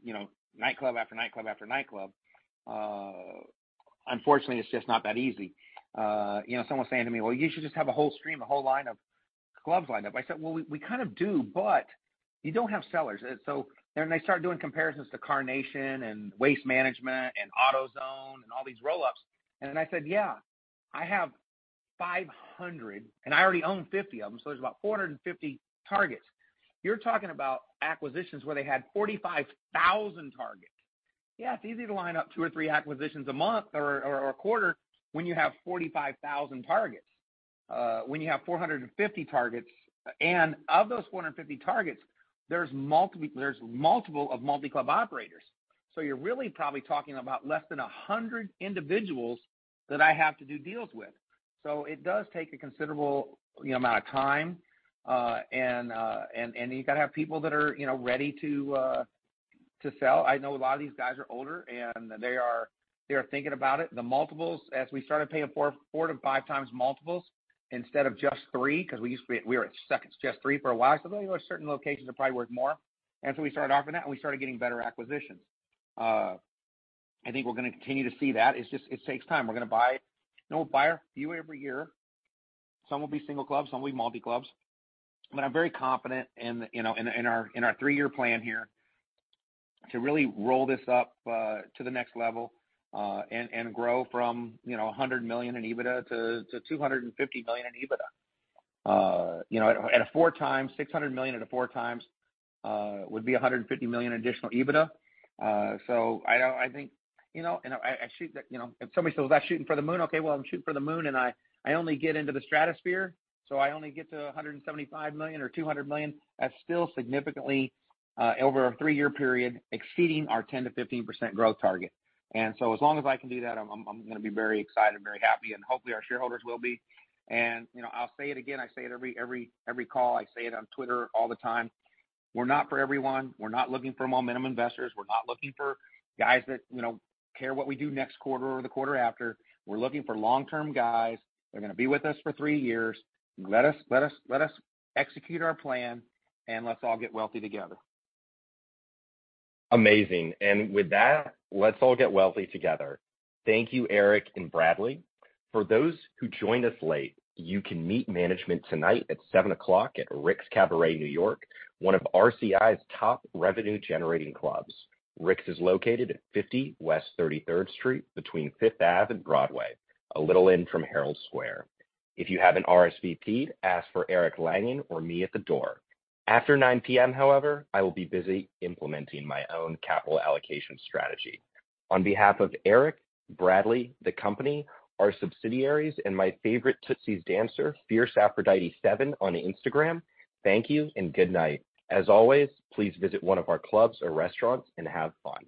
you know, nightclub after nightclub after nightclub. Unfortunately, it's just not that easy. you know, someone's saying to me, "Well, you should just have a whole stream, a whole line of clubs lined up." I said, "Well, we kind of do, but you don't have sellers." They start doing comparisons to Darden and Waste Management and AutoZone and all these roll-ups. I said, "Yeah, I have 500, and I already own 50 of them, so there's about 450 targets. You're talking about acquisitions where they had 45,000 targets. Yeah, it's easy to line up 2 or 3 acquisitions a month or a quarter when you have 45,000 targets. When you have 450 targets, and of those 450 targets, there's multiple of multi-club operators. You're really probably talking about less than 100 individuals that I have to do deals with. It does take a considerable, you know, amount of time, and you gotta have people that are, you know, ready to sell. I know a lot of these guys are older, and they are thinking about it. The multiples, as we started paying 4-5x multiples instead of just 3, 'cause we were at just 3 for a while. Certain locations are probably worth more. We started offering that, and we started getting better acquisitions. I think we're gonna continue to see that. It's just, it takes time. You know, we'll buy a few every year. Some will be single clubs, some will be multi-clubs. I'm very confident in, you know, in our 3-year plan here to really roll this up to the next level and grow from, you know, $100 million in EBITDA to $250 million in EBITDA. You know, at a 4 times, $600 million at a 4 times would be $150 million additional EBITDA. I think, you know... If somebody says, "Well, is that shooting for the moon?" Okay, well, I'm shooting for the moon, and I only get into the stratosphere. So I only get to $175 million or $200 million, that's still significantly over a 3-year period, exceeding our 10%-15% growth target. As long as I can do that, I'm gonna be very excited, very happy, and hopefully our shareholders will be. You know, I'll say it again, I say it every call, I say it on Twitter all the time, we're not for everyone, we're not looking for momentum investors, we're not looking for guys that, you know, care what we do next quarter or the quarter after. We're looking for long-term guys that are gonna be with us for three years. Let us execute our plan, and let's all get wealthy together. Amazing. With that, let's all get wealthy together. Thank you, Eric and Bradley. For those who joined us late, you can meet management tonight at 7:00 P.M. at Rick's Cabaret New York, one of RCI's top revenue-generating clubs. Rick's is located at 50 West 33rd Street between Fifth Ave and Broadway, a little in from Herald Square. If you haven't RSVP, ask for Eric Langan or me at the door. After 9:00 P.M., however, I will be busy implementing my own capital allocation strategy. On behalf of Eric, Bradley, the company, our subsidiaries, and my favorite Tootsie's dancer, Fierce Aphrodite7 on Instagram, thank you and good night. As always, please visit one of our clubs or restaurants and have fun.